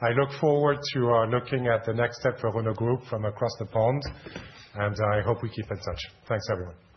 I look forward to looking at the next step for Renault Group from across the pond. And I hope we keep in touch. Thanks, everyone.